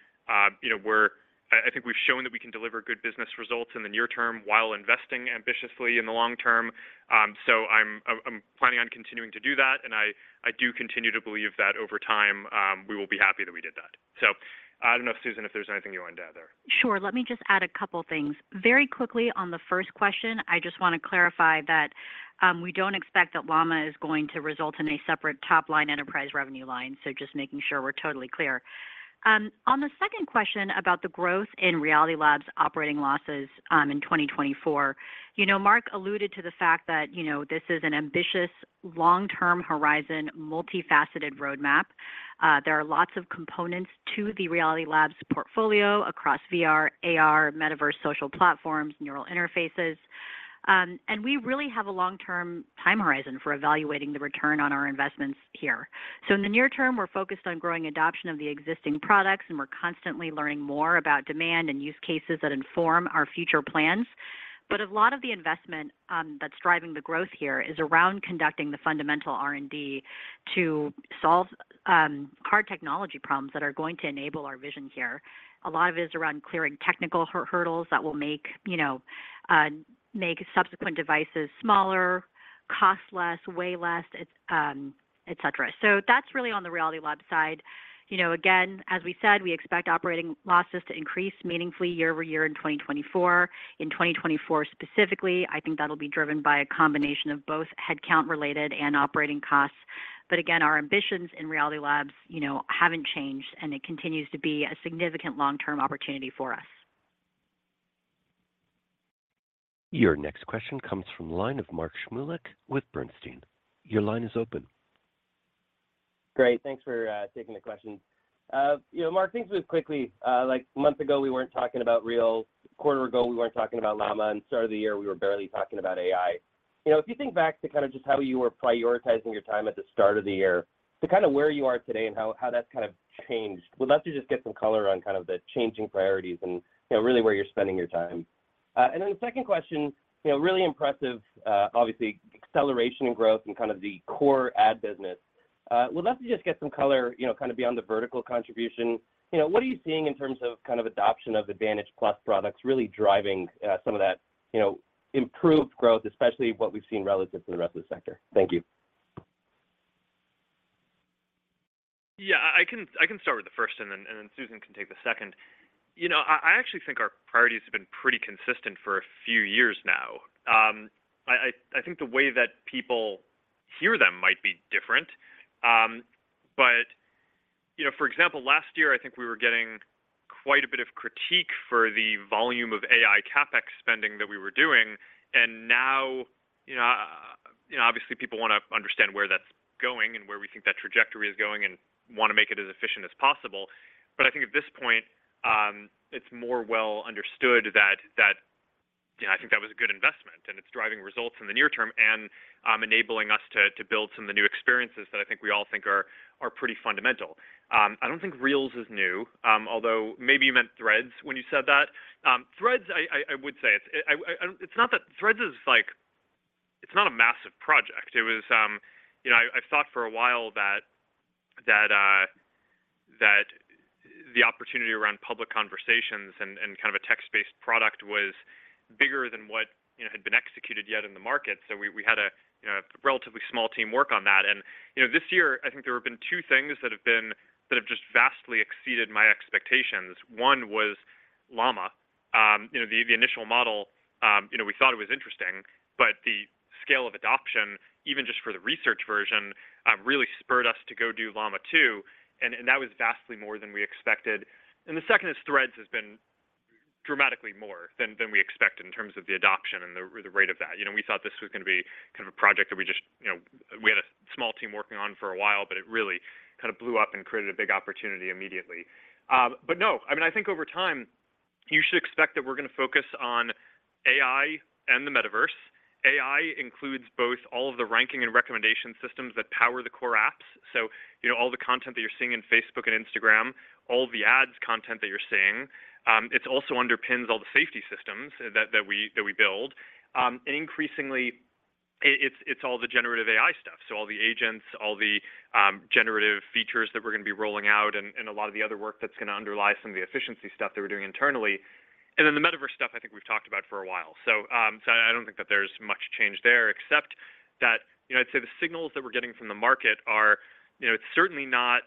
Speaker 3: You know, I think we've shown that we can deliver good business results in the near term while investing ambitiously in the long term. I'm planning on continuing to do that, and I do continue to believe that over time, we will be happy that we did that. I don't know, Susan, if there's anything you want to add there.
Speaker 4: Sure. Let me just add a couple things. Very quickly on the first question, I just want to clarify that we don't expect that Llama is going to result in a separate top-line enterprise revenue line. Just making sure we're totally clear. On the second question about the growth in Reality Labs' operating losses in 2024, you know, Mark alluded to the fact that, you know, this is an ambitious, long-term horizon, multifaceted roadmap. There are lots of components to the Reality Labs portfolio across VR, AR, Metaverse, social platforms, neural interfaces. We really have a long-term time horizon for evaluating the return on our investments here. In the near term, we're focused on growing adoption of the existing products, and we're constantly learning more about demand and use cases that inform our future plans. A lot of the investment that's driving the growth here is around conducting the fundamental R&D to solve hard technology problems that are going to enable our vision here. A lot of it is around clearing technical hurdles that will make, you know, make subsequent devices smaller, cost less, weigh less, et cetera. That's really on the Reality Labs side. You know, again, as we said, we expect operating losses to increase meaningfully year-over-year in 2024. In 2024 specifically, I think that'll be driven by a combination of both headcount-related and operating costs. Again, our ambitions in Reality Labs, you know, haven't changed, and it continues to be a significant long-term opportunity for us.
Speaker 1: Your next question comes from the line of Mark Shmulik with Bernstein. Your line is open.
Speaker 7: Great. Thanks for taking the question. You know, Mark, things move quickly. Like a month ago, we weren't talking about Reels. A quarter ago, we weren't talking about Llama. Start of the year, we were barely talking about AI. You know, if you think back to kind of just how you were prioritizing your time at the start of the year to kind of where you are today and how that's kind of changed, we'd love to just get some color on kind of the changing priorities and, you know, really where you're spending your time. The second question, you know, really impressive, obviously, acceleration and growth in kind of the core ad business. We'd love to just get some color, you know, kind of beyond the vertical contribution. You know, what are you seeing in terms of kind of adoption of Advantage+ products really driving, some of that, you know, improved growth, especially what we've seen relative to the rest of the sector? Thank you.
Speaker 3: Yeah. I can start with the first and then Susan can take the second. You know, I actually think our priorities have been pretty consistent for a few years now. I think the way that people hear them might be different. You know, for example, last year, I think we were getting quite a bit of critique for the volume of AI CapEx spending that we were doing, and now, you know, obviously, people want to understand where that's going and where we think that trajectory is going and want to make it as efficient as possible. I think at this point, it's more well understood that, you know, I think that was a good investment, and it's driving results in the near term and enabling us to build some of the new experiences that I think we all think are pretty fundamental. I don't think Reels is new, although maybe you meant Threads when you said that. Threads, I would say it's not that Threads is not a massive project. It was, you know, I thought for a while that the opportunity around public conversations and kind of a text-based product was bigger than what, you know, had been executed yet in the market. We had a, you know, relatively small team work on that. And you know, this year, I think there have been two things that have just vastly exceeded my expectations. One was Llama. you know, the initial model, you know, we thought it was interesting, but the scale of adoption, even just for the research version, really spurred us to go do Llama 2, and that was vastly more than we expected. The second is, Threads has been dramatically more than we expected in terms of the adoption and the rate of that. You know, we thought this was gonna be kind of a project that we just, you know, we had a small team working on for a while, but it really kind of blew up and created a big opportunity immediately. No, I mean, I think over time, you should expect that we're going to focus on AI and the metaverse. AI includes both all of the ranking and recommendation systems that power the core apps. So, you know, all the content that you're seeing in Facebook and Instagram, all the ads content that you're seeing, it's also underpins all the safety systems that we build. Increasingly, it's all the generative AI stuff. So all the agents, all the generative features that we're gonna be rolling out and a lot of the other work that's gonna underlie some of the efficiency stuff that we're doing internally. Then the Metaverse stuff, I think we've talked about for a while. I don't think that there's much change there except that, you know, I'd say the signals that we're getting from the market are, you know, it's certainly not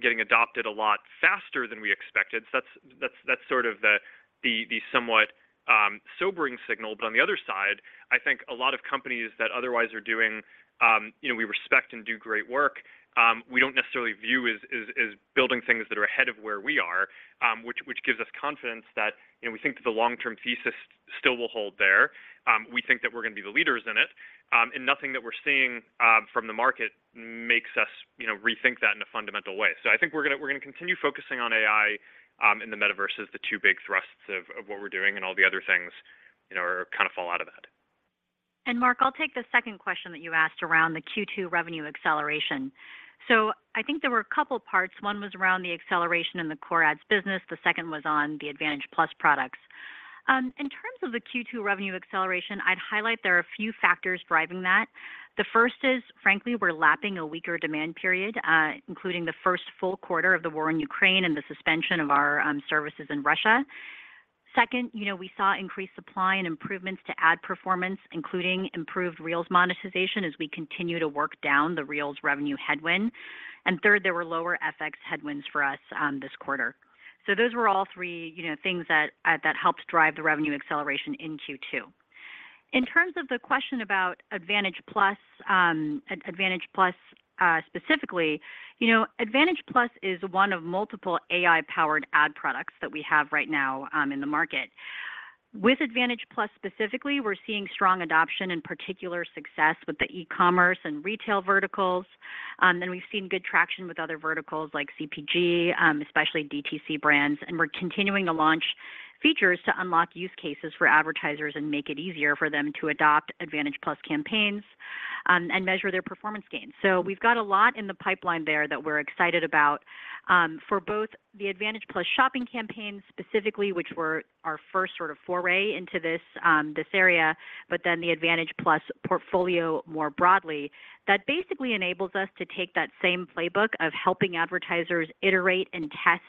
Speaker 3: getting adopted a lot faster than we expected. That's sort of the somewhat sobering signal. On the other side, I think a lot of companies that otherwise are doing, you know, we respect and do great work, we don't necessarily view as building things that are ahead of where we are, which gives us confidence that, you know, we think that the long-term thesis still will hold there. We think that we're gonna be the leaders in it, and nothing that we're seeing from the market makes us, you know, rethink that in a fundamental way. I think we're gonna continue focusing on AI, and the Metaverse as the two big thrusts of what we're doing, and all the other things, you know, are kinda fall out of that.
Speaker 4: Mark, I'll take the second question that you asked around the Q2 revenue acceleration. I think there were a couple parts. One was around the acceleration in the core ads business, the second was on the Advantage+ products. In terms of the Q2 revenue acceleration, I'd highlight there are a few factors driving that. The first is, frankly, we're lapping a weaker demand period, including the first full quarter of the war in Ukraine and the suspension of our services in Russia. Second, you know, we saw increased supply and improvements to ad performance, including improved Reels monetization as we continue to work down the Reels revenue headwind. Third, there were lower FX headwinds for us this quarter. Those were all three, you know, things that helped drive the revenue acceleration in Q2. In terms of the question about Advantage+, specifically, you know, Advantage+ is one of multiple AI-powered ad products that we have right now in the market. With Advantage+, specifically, we're seeing strong adoption and particular success with the e-commerce and retail verticals. We've seen good traction with other verticals like CPG, especially DTC brands, and we're continuing to launch features to unlock use cases for advertisers and make it easier for them to adopt Advantage+ campaigns and measure their performance gains. We've got a lot in the pipeline there that we're excited about for both the Advantage+ shopping campaign, specifically, which were our first sort of foray into this area, but then the Advantage+ portfolio more broadly. That basically enables us to take that same playbook of helping advertisers iterate and test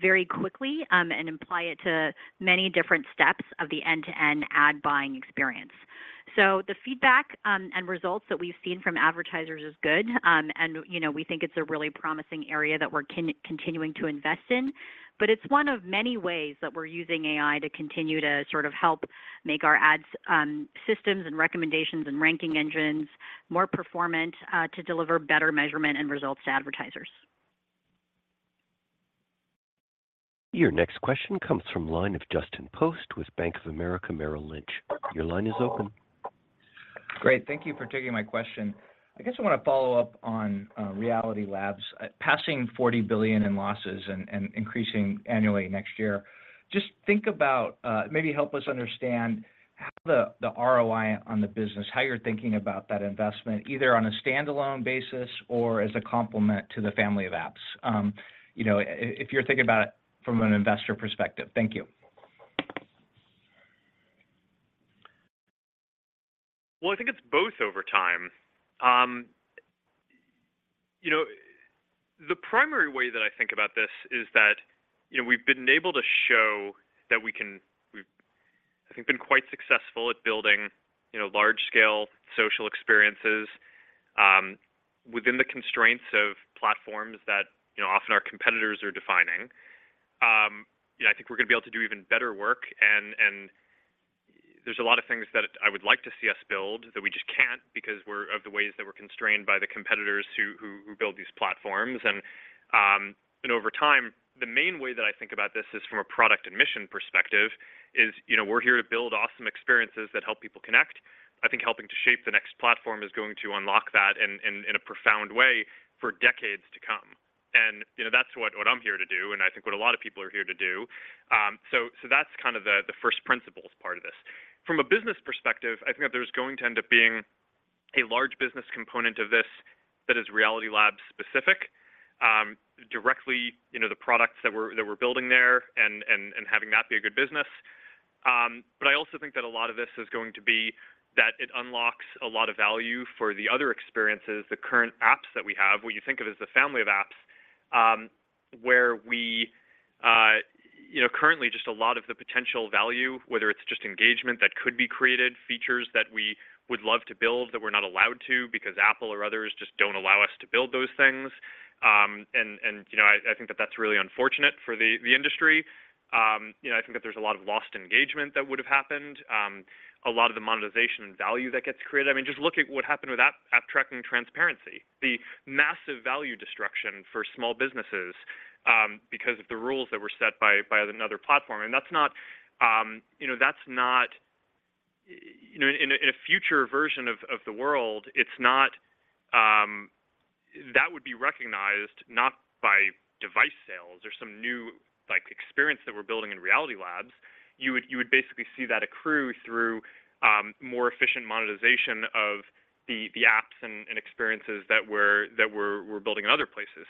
Speaker 4: very quickly, and apply it to many different steps of the end-to-end ad buying experience. The feedback and results that we've seen from advertisers is good. You know, we think it's a really promising area that we're continuing to invest in. It's one of many ways that we're using AI to continue to sort of help make our ads systems and recommendations and ranking engines more performant to deliver better measurement and results to advertisers.
Speaker 1: Your next question comes from line of Justin Post with Bank of America Merrill Lynch. Your line is open.
Speaker 8: Great. Thank you for taking my question. I guess I wanna follow up on Reality Labs. Passing $40 billion in losses and increasing annually next year, just think about maybe help us understand how the ROI on the business, how you're thinking about that investment, either on a standalone basis or as a complement to the Family of Apps. You know, if you're thinking about it from an investor perspective. Thank you.
Speaker 3: Well, I think it's both over time. You know, the primary way that I think about this is that, you know, we've, I think, been quite successful at building, you know, large-scale social experiences within the constraints of platforms that, you know, often our competitors are defining. You know, I think we're gonna be able to do even better work, and there's a lot of things that I would like to see us build that we just can't because of the ways that we're constrained by the competitors who build these platforms. Over time, the main way that I think about this is from a product and mission perspective, is, you know, we're here to build awesome experiences that help people connect. I think helping to shape the next platform is going to unlock that in a profound way for decades to come. You know, that's what I'm here to do, and I think what a lot of people are here to do. That's kind of the first principles part of this. From a business perspective, I think that there's going to end up being a large business component of this that is Reality Labs specific, directly, you know, the products that we're building there and having that be a good business. I also think that a lot of this is going to be that it unlocks a lot of value for the other experiences, the current apps that we have, what you think of as the Family of Apps, where we currently just a lot of the potential value, whether it's just engagement that could be created, features that we would love to build that we're not allowed to because Apple or others just don't allow us to build those things. I think that that's really unfortunate for the industry. I think that there's a lot of lost engagement that would have happened, a lot of the monetization and value that gets created. I mean, just look at what happened with App Tracking Transparency, the massive value destruction for small businesses, because of the rules that were set by another platform. You know, in a future version of the world, it's not that would be recognized not by device sales or some new, like, experience that we're building in Reality Labs. You would basically see that accrue through more efficient monetization of the apps and experiences that we're building in other places.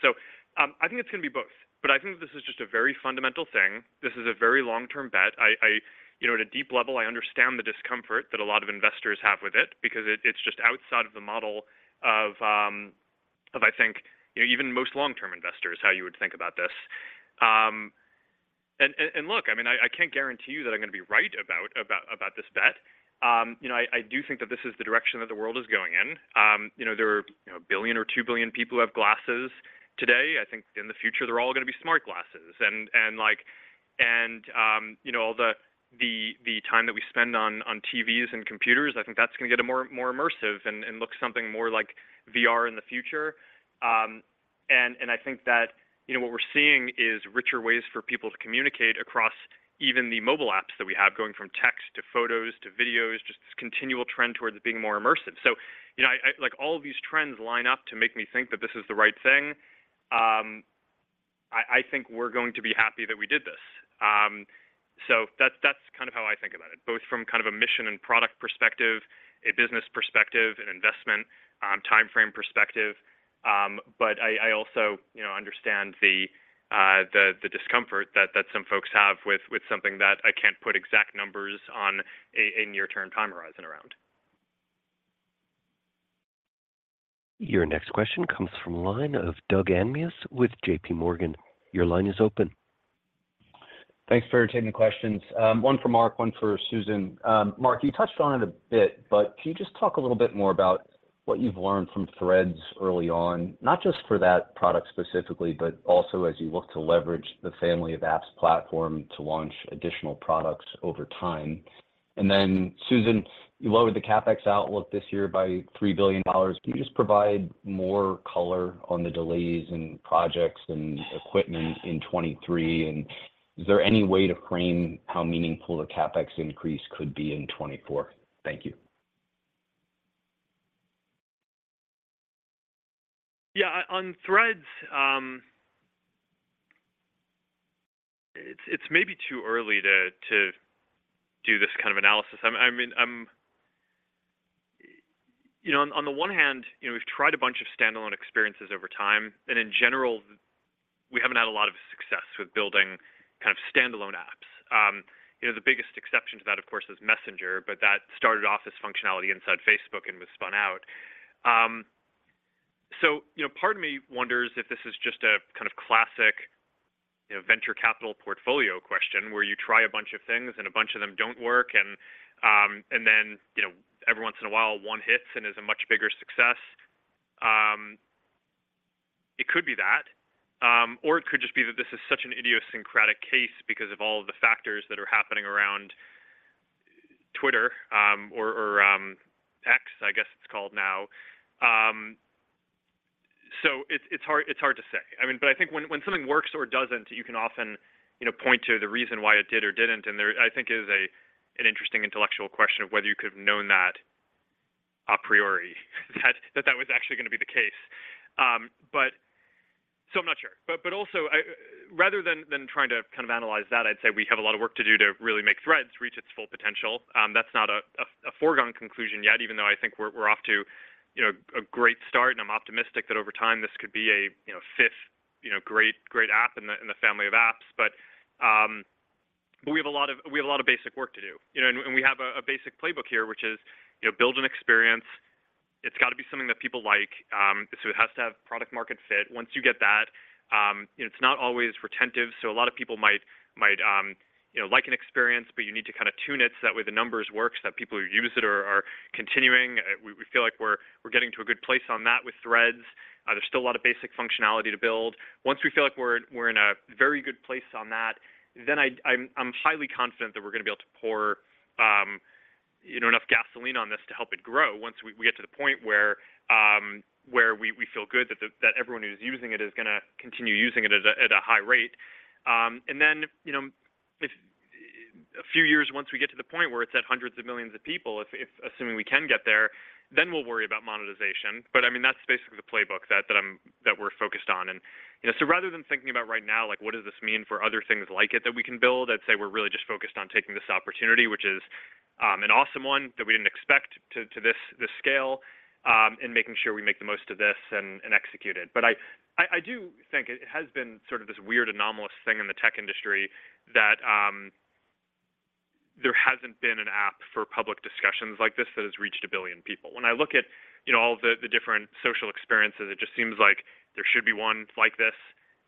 Speaker 3: I think it's gonna be both. I think this is just a very fundamental thing. This is a very long-term bet. I, you know, at a deep level, I understand the discomfort that a lot of investors have with it because it's just outside of the model of, I think, you know, even most long-term investors, how you would think about this. Look, I mean, I can't guarantee you that I'm gonna be right about this bet. You know, I do think that this is the direction that the world is going in. You know, there are 1 billion or 2 billion people who have glasses today. I think in the future, they're all gonna be smart glasses. Like, you know, all the time that we spend on TVs and computers, I think that's gonna get more immersive and look something more like VR in the future. I think that, you know, what we're seeing is richer ways for people to communicate across even the mobile apps that we have, going from text, to photos, to videos, just this continual trend towards being more immersive. You know, all of these trends line up to make me think that this is the right thing. I think we're going to be happy that we did this. That's, that's kind of how I think about it, both from kind of a mission and product perspective, a business perspective, an investment, time frame perspective. I also, you know, understand the discomfort that some folks have with something that I can't put exact numbers on a near-term time horizon around.
Speaker 1: Your next question comes from the line of Doug Anmuth with JPMorgan. Your line is open.
Speaker 9: Thanks for taking the questions. One for Mark, one for Susan. Mark, you touched on it a bit, but can you just talk a little bit more about what you've learned from Threads early on, not just for that product specifically, but also as you look to leverage the Family of Apps platform to launch additional products over time? Susan, you lowered the CapEx outlook this year by $3 billion. Can you just provide more color on the delays and projects and equipment in 2023? Is there any way to frame how meaningful the CapEx increase could be in 2024? Thank you.
Speaker 3: On Threads, it's may be too early to do this kind of analysis. I mean, you know, on the one hand, you know, we've tried a bunch of stand-alone experiences over time, and in general, we haven't had a lot of success with building kind of stand-alone apps. You know, the biggest exception to that, of course, is Messenger, but that started off as functionality inside Facebook and was spun out. You know, part of me wonders if this is just a kind of classic, you know, venture capital portfolio question, where you try a bunch of things and a bunch of them don't work, and then, you know, every once in a while, one hits and is a much bigger success. It could be that, or it could just be that this is such an idiosyncratic case because of all the factors that are happening around Twitter, or X, I guess it's called now. It's hard to say. I mean, I think when something works or doesn't, you can often, you know, point to the reason why it did or didn't, and there, I think it is an interesting intellectual question of whether you could have known that a priori, that that was actually gonna be the case. I'm not sure. Also, I rather than trying to kind of analyze that, I'd say we have a lot of work to do to really make Threads reach its full potential. That's not a foregone conclusion yet, even though I think we're off to, you know, a great start, and I'm optimistic that over time, this could be a, you know, fifth, you know, great app in the Family of Apps. We have a lot of basic work to do. We have a basic playbook here, which is, you know, build an experience. It's got to be something that people like, so it has to have product-market fit. Once you get that, you know, it's not always retentive, so a lot of people might, you know, like an experience, but you need to kind of tune it so that way the numbers work, so that people who use it are continuing. We feel like we're getting to a good place on that with Threads. There's still a lot of basic functionality to build. Once we feel like we're in a very good place on that, then I'm highly confident that we're gonna be able to pour, you know, enough gasoline on this to help it grow once we get to the point where we feel good that everyone who's using it is gonna continue using it at a high rate. Then, you know, a few years once we get to the point where it's at hundreds of millions of people, if assuming we can get there, then we'll worry about monetization. I mean, that's basically the playbook that we're focused on. You know, so rather than thinking about right now, like, what does this mean for other things like it that we can build, I'd say we're really just focused on taking this opportunity, which is, an awesome one that we didn't expect to this scale, and execute it. I do think it has been sort of this weird, anomalous thing in the tech industry that, there hasn't been an app for public discussions like this that has reached 1 billion people. When I look at, you know, all the different social experiences, it just seems like there should be one like this.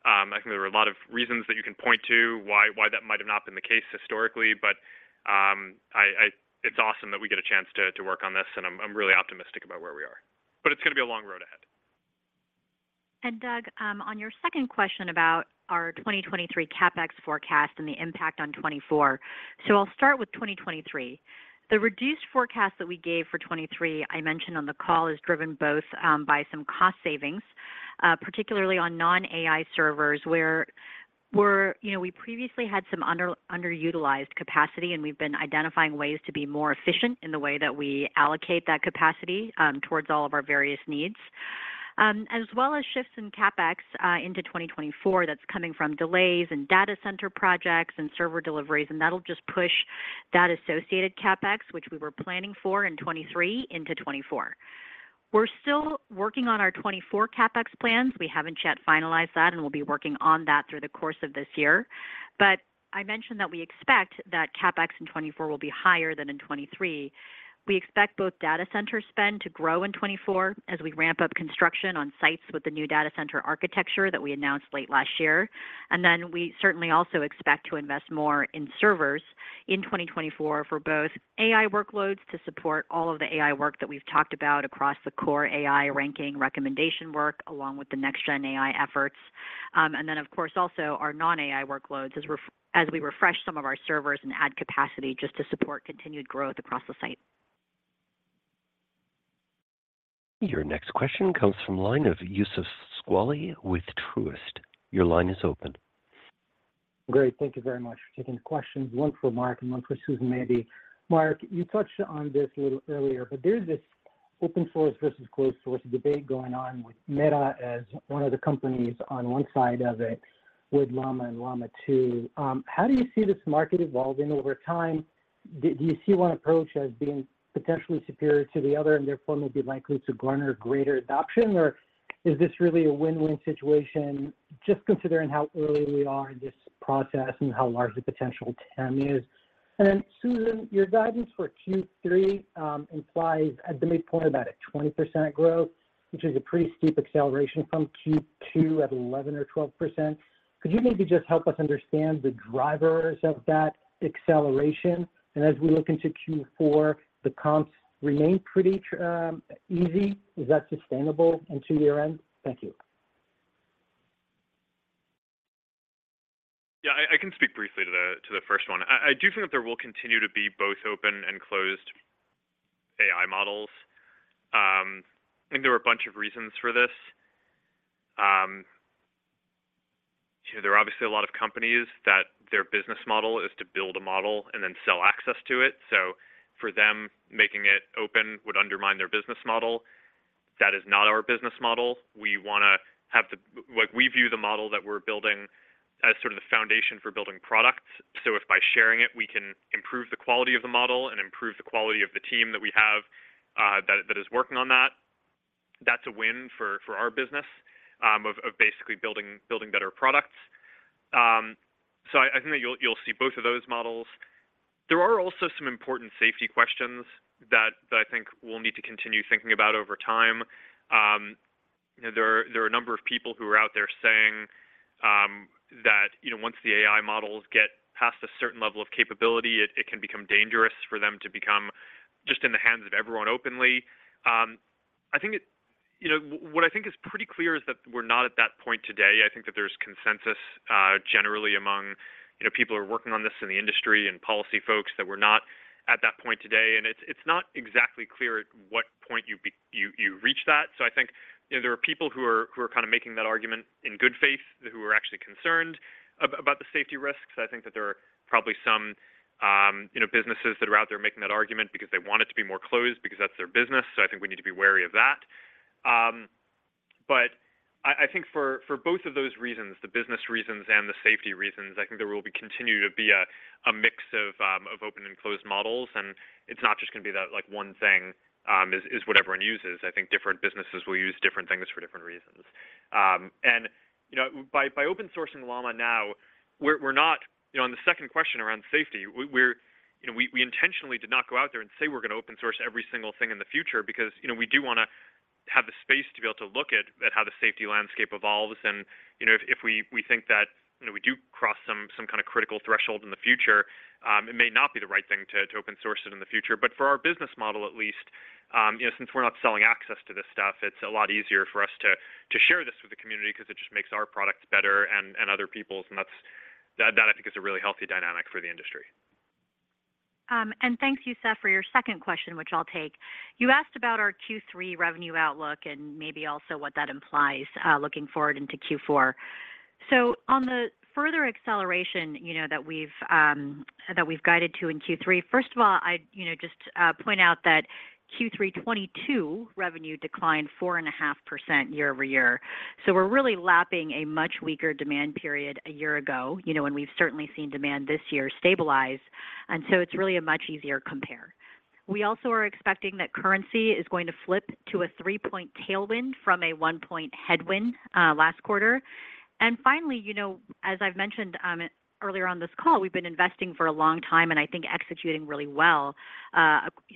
Speaker 3: I think there are a lot of reasons that you can point to, why that might have not been the case historically, but it's awesome that we get a chance to work on this, and I'm really optimistic about where we are. It's gonna be a long road ahead.
Speaker 4: Doug, on your second question about our 2023 CapEx forecast and the impact on 2024, I'll start with 2023. The reduced forecast that we gave for 2023, I mentioned on the call, is driven both by some cost savings, particularly on non-AI servers, where you know, we previously had some underutilized capacity, and we've been identifying ways to be more efficient in the way that we allocate that capacity towards all of our various needs. As well as shifts in CapEx into 2024, that's coming from delays and data center projects and server deliveries, and that'll just push that associated CapEx, which we were planning for in 2023 into 2024. We're still working on our 2024 CapEx plans. We haven't yet finalized that, and we'll be working on that through the course of this year. I mentioned that we expect that CapEx in 2024 will be higher than in 2023. We expect both data center spend to grow in 2024 as we ramp up construction on sites with the new data center architecture that we announced late last year. We certainly also expect to invest more in servers in 2024 for both AI workloads to support all of the AI work that we've talked about across the core AI ranking recommendation work, along with the next gen AI efforts. Of course, also our non-AI workloads as we refresh some of our servers and add capacity just to support continued growth across the site.
Speaker 1: Your next question comes from line of Youssef Squali with Truist. Your line is open.
Speaker 10: Great. Thank you very much for taking the questions. One for Mark and one for Susan, maybe. Mark, you touched on this a little earlier, but there's this open source versus closed source debate going on with Meta as one of the companies on one side of it with Llama and Llama 2. How do you see this market evolving over time? Do you see one approach as being potentially superior to the other and therefore may be likely to garner greater adoption, or is this really a win-win situation, just considering how early we are in this process and how large the potential TAM is? Susan, your guidance for Q3 implies at the midpoint about a 20% growth, which is a pretty steep acceleration from Q2 at 11% or 12%. Could you maybe just help us understand the drivers of that acceleration? As we look into Q4, the comps remain pretty easy. Is that sustainable into year-end? Thank you.
Speaker 3: Yeah, I can speak briefly to the first one. I do think that there will continue to be both open and closed AI models. I think there are a bunch of reasons for this. There are obviously a lot of companies that their business model is to build a model and then sell access to it. For them, making it open would undermine their business model. That is not our business model. Like, we view the model that we're building as sort of the foundation for building products. If by sharing it, we can improve the quality of the model and improve the quality of the team that we have that is working on that's a win for our business of basically building better products. I think that you'll see both of those models. There are also some important safety questions that I think we'll need to continue thinking about over time. There are a number of people who are out there saying that once the AI models get past a certain level of capability, it can become dangerous for them to become just in the hands of everyone openly. I think what I think is pretty clear is that we're not at that point today. I think that there's consensus generally among people who are working on this in the industry and policy folks that we're not at that point today, and it's not exactly clear at what point you reach that. I think, you know, there are people who are, who are kind of making that argument in good faith, who are actually concerned about the safety risks. I think that there are probably some, you know, businesses that are out there making that argument because they want it to be more closed because that's their business. I think we need to be wary of that. I think for both of those reasons, the business reasons and the safety reasons, I think there will be continue to be a mix of open and closed models, and it's not just going to be that, like, one thing, is what everyone uses.I think different businesses will use different things for different reasons. You know, by open sourcing Llama now, we're not, you know, on the second question around safety, we're, you know, we intentionally did not go out there and say we're going to open source every single thing in the future because, you know, we do want to have the space to be able to look at how the safety landscape evolves. You know, if we think that, you know, we do cross some kind of critical threshold in the future, it may not be the right thing to open source it in the future. For our business model, at least, you know, since we're not selling access to this stuff, it's a lot easier for us to share this with the community because it just makes our products better and other people's, and that's that I think is a really healthy dynamic for the industry.
Speaker 4: Thanks, Youssef, for your second question, which I'll take. You asked about our Q3 revenue outlook and maybe also what that implies, looking forward into Q4. On the further acceleration, you know, that we've guided to in Q3, first of all, I'd, you know, just point out that Q3 2022 revenue declined 4.5% year-over-year. We're really lapping a much weaker demand period a year ago, you know, and we've certainly seen demand this year stabilize, it's really a much easier compare. We also are expecting that currency is going to flip to a three-point tailwind from a one-point headwind, last quarter. Finally, you know, as I've mentioned, earlier on this call, we've been investing for a long time, and I think executing really well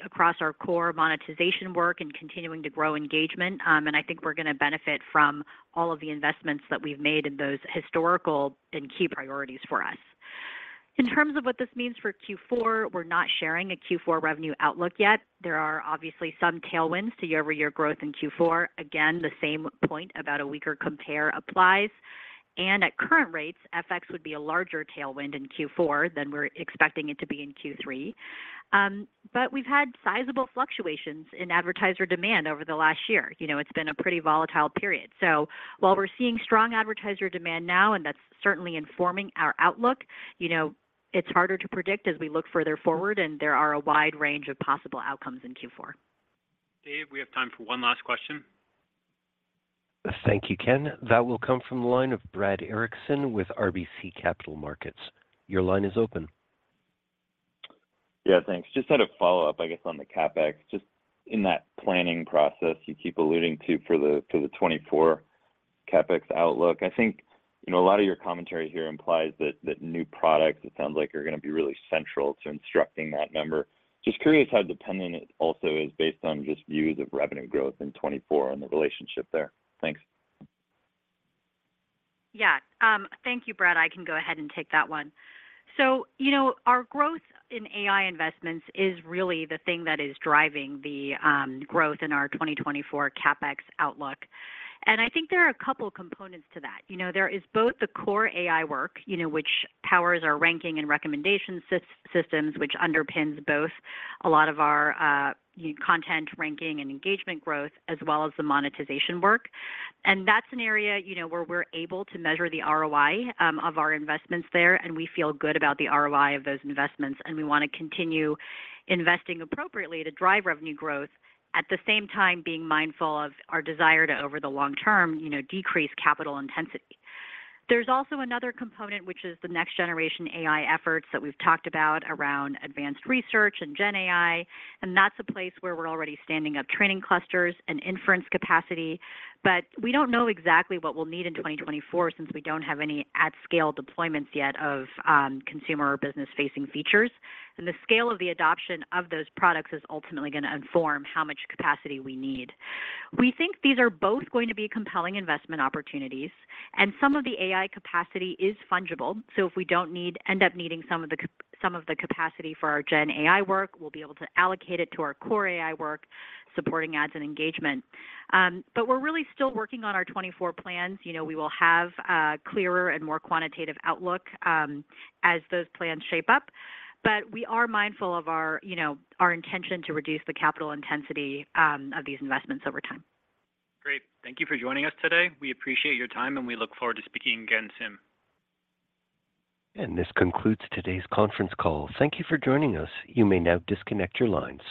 Speaker 4: across our core monetization work and continuing to grow engagement. I think we're going to benefit from all of the investments that we've made in those historical and key priorities for us. In terms of what this means for Q4, we're not sharing a Q4 revenue outlook yet. There are obviously some tailwinds to year-over-year growth in Q4. Again, the same point about a weaker compare applies, and at current rates, FX would be a larger tailwind in Q4 than we're expecting it to be in Q3. We've had sizable fluctuations in advertiser demand over the last year. You know, it's been a pretty volatile period. While we're seeing strong advertiser demand now, and that's certainly informing our outlook, you know, it's harder to predict as we look further forward, and there are a wide range of possible outcomes in Q4.
Speaker 2: Dave, we have time for one last question.
Speaker 1: Thank you, Ken. That will come from the line of Brad Erickson with RBC Capital Markets. Your line is open.
Speaker 11: Yeah, thanks. Just had a follow-up, I guess, on the CapEx. Just in that planning process you keep alluding to for the 2024 CapEx outlook. I think, you know, a lot of your commentary here implies that new products, it sounds like, are gonna be really central to instructing that number. Just curious how dependent it also is based on just views of revenue growth in 2024 and the relationship there. Thanks.
Speaker 4: Yeah. Thank you, Brad. I can go ahead and take that one. You know, our growth in AI investments is really the thing that is driving the growth in our 2024 CapEx outlook. I think there are a couple components to that. You know, there is both the core AI work, you know, which powers our ranking and recommendation systems, which underpins both a lot of our content ranking and engagement growth, as well as the monetization work. That's an area, you know, where we're able to measure the ROI of our investments there, and we feel good about the ROI of those investments, and we wanna continue investing appropriately to drive revenue growth, at the same time, being mindful of our desire to, over the long term, you know, decrease capital intensity. There's also another component, which is the next generation AI efforts that we've talked about around advanced research and gen AI. That's a place where we're already standing up training clusters and inference capacity. We don't know exactly what we'll need in 2024, since we don't have any at-scale deployments yet of consumer or business-facing features. The scale of the adoption of those products is ultimately gonna inform how much capacity we need. We think these are both going to be compelling investment opportunities, and some of the AI capacity is fungible. If we don't end up needing some of the capacity for our gen AI work, we'll be able to allocate it to our core AI work, supporting ads and engagement. We're really still working on our 2024 plans. You know, we will have a clearer and more quantitative outlook, as those plans shape up. We are mindful of our, you know, our intention to reduce the capital intensity, of these investments over time.
Speaker 11: Great.
Speaker 2: Thank you for joining us today. We appreciate your time, and we look forward to speaking again soon.
Speaker 1: This concludes today's conference call. Thank you for joining us. You may now disconnect your lines.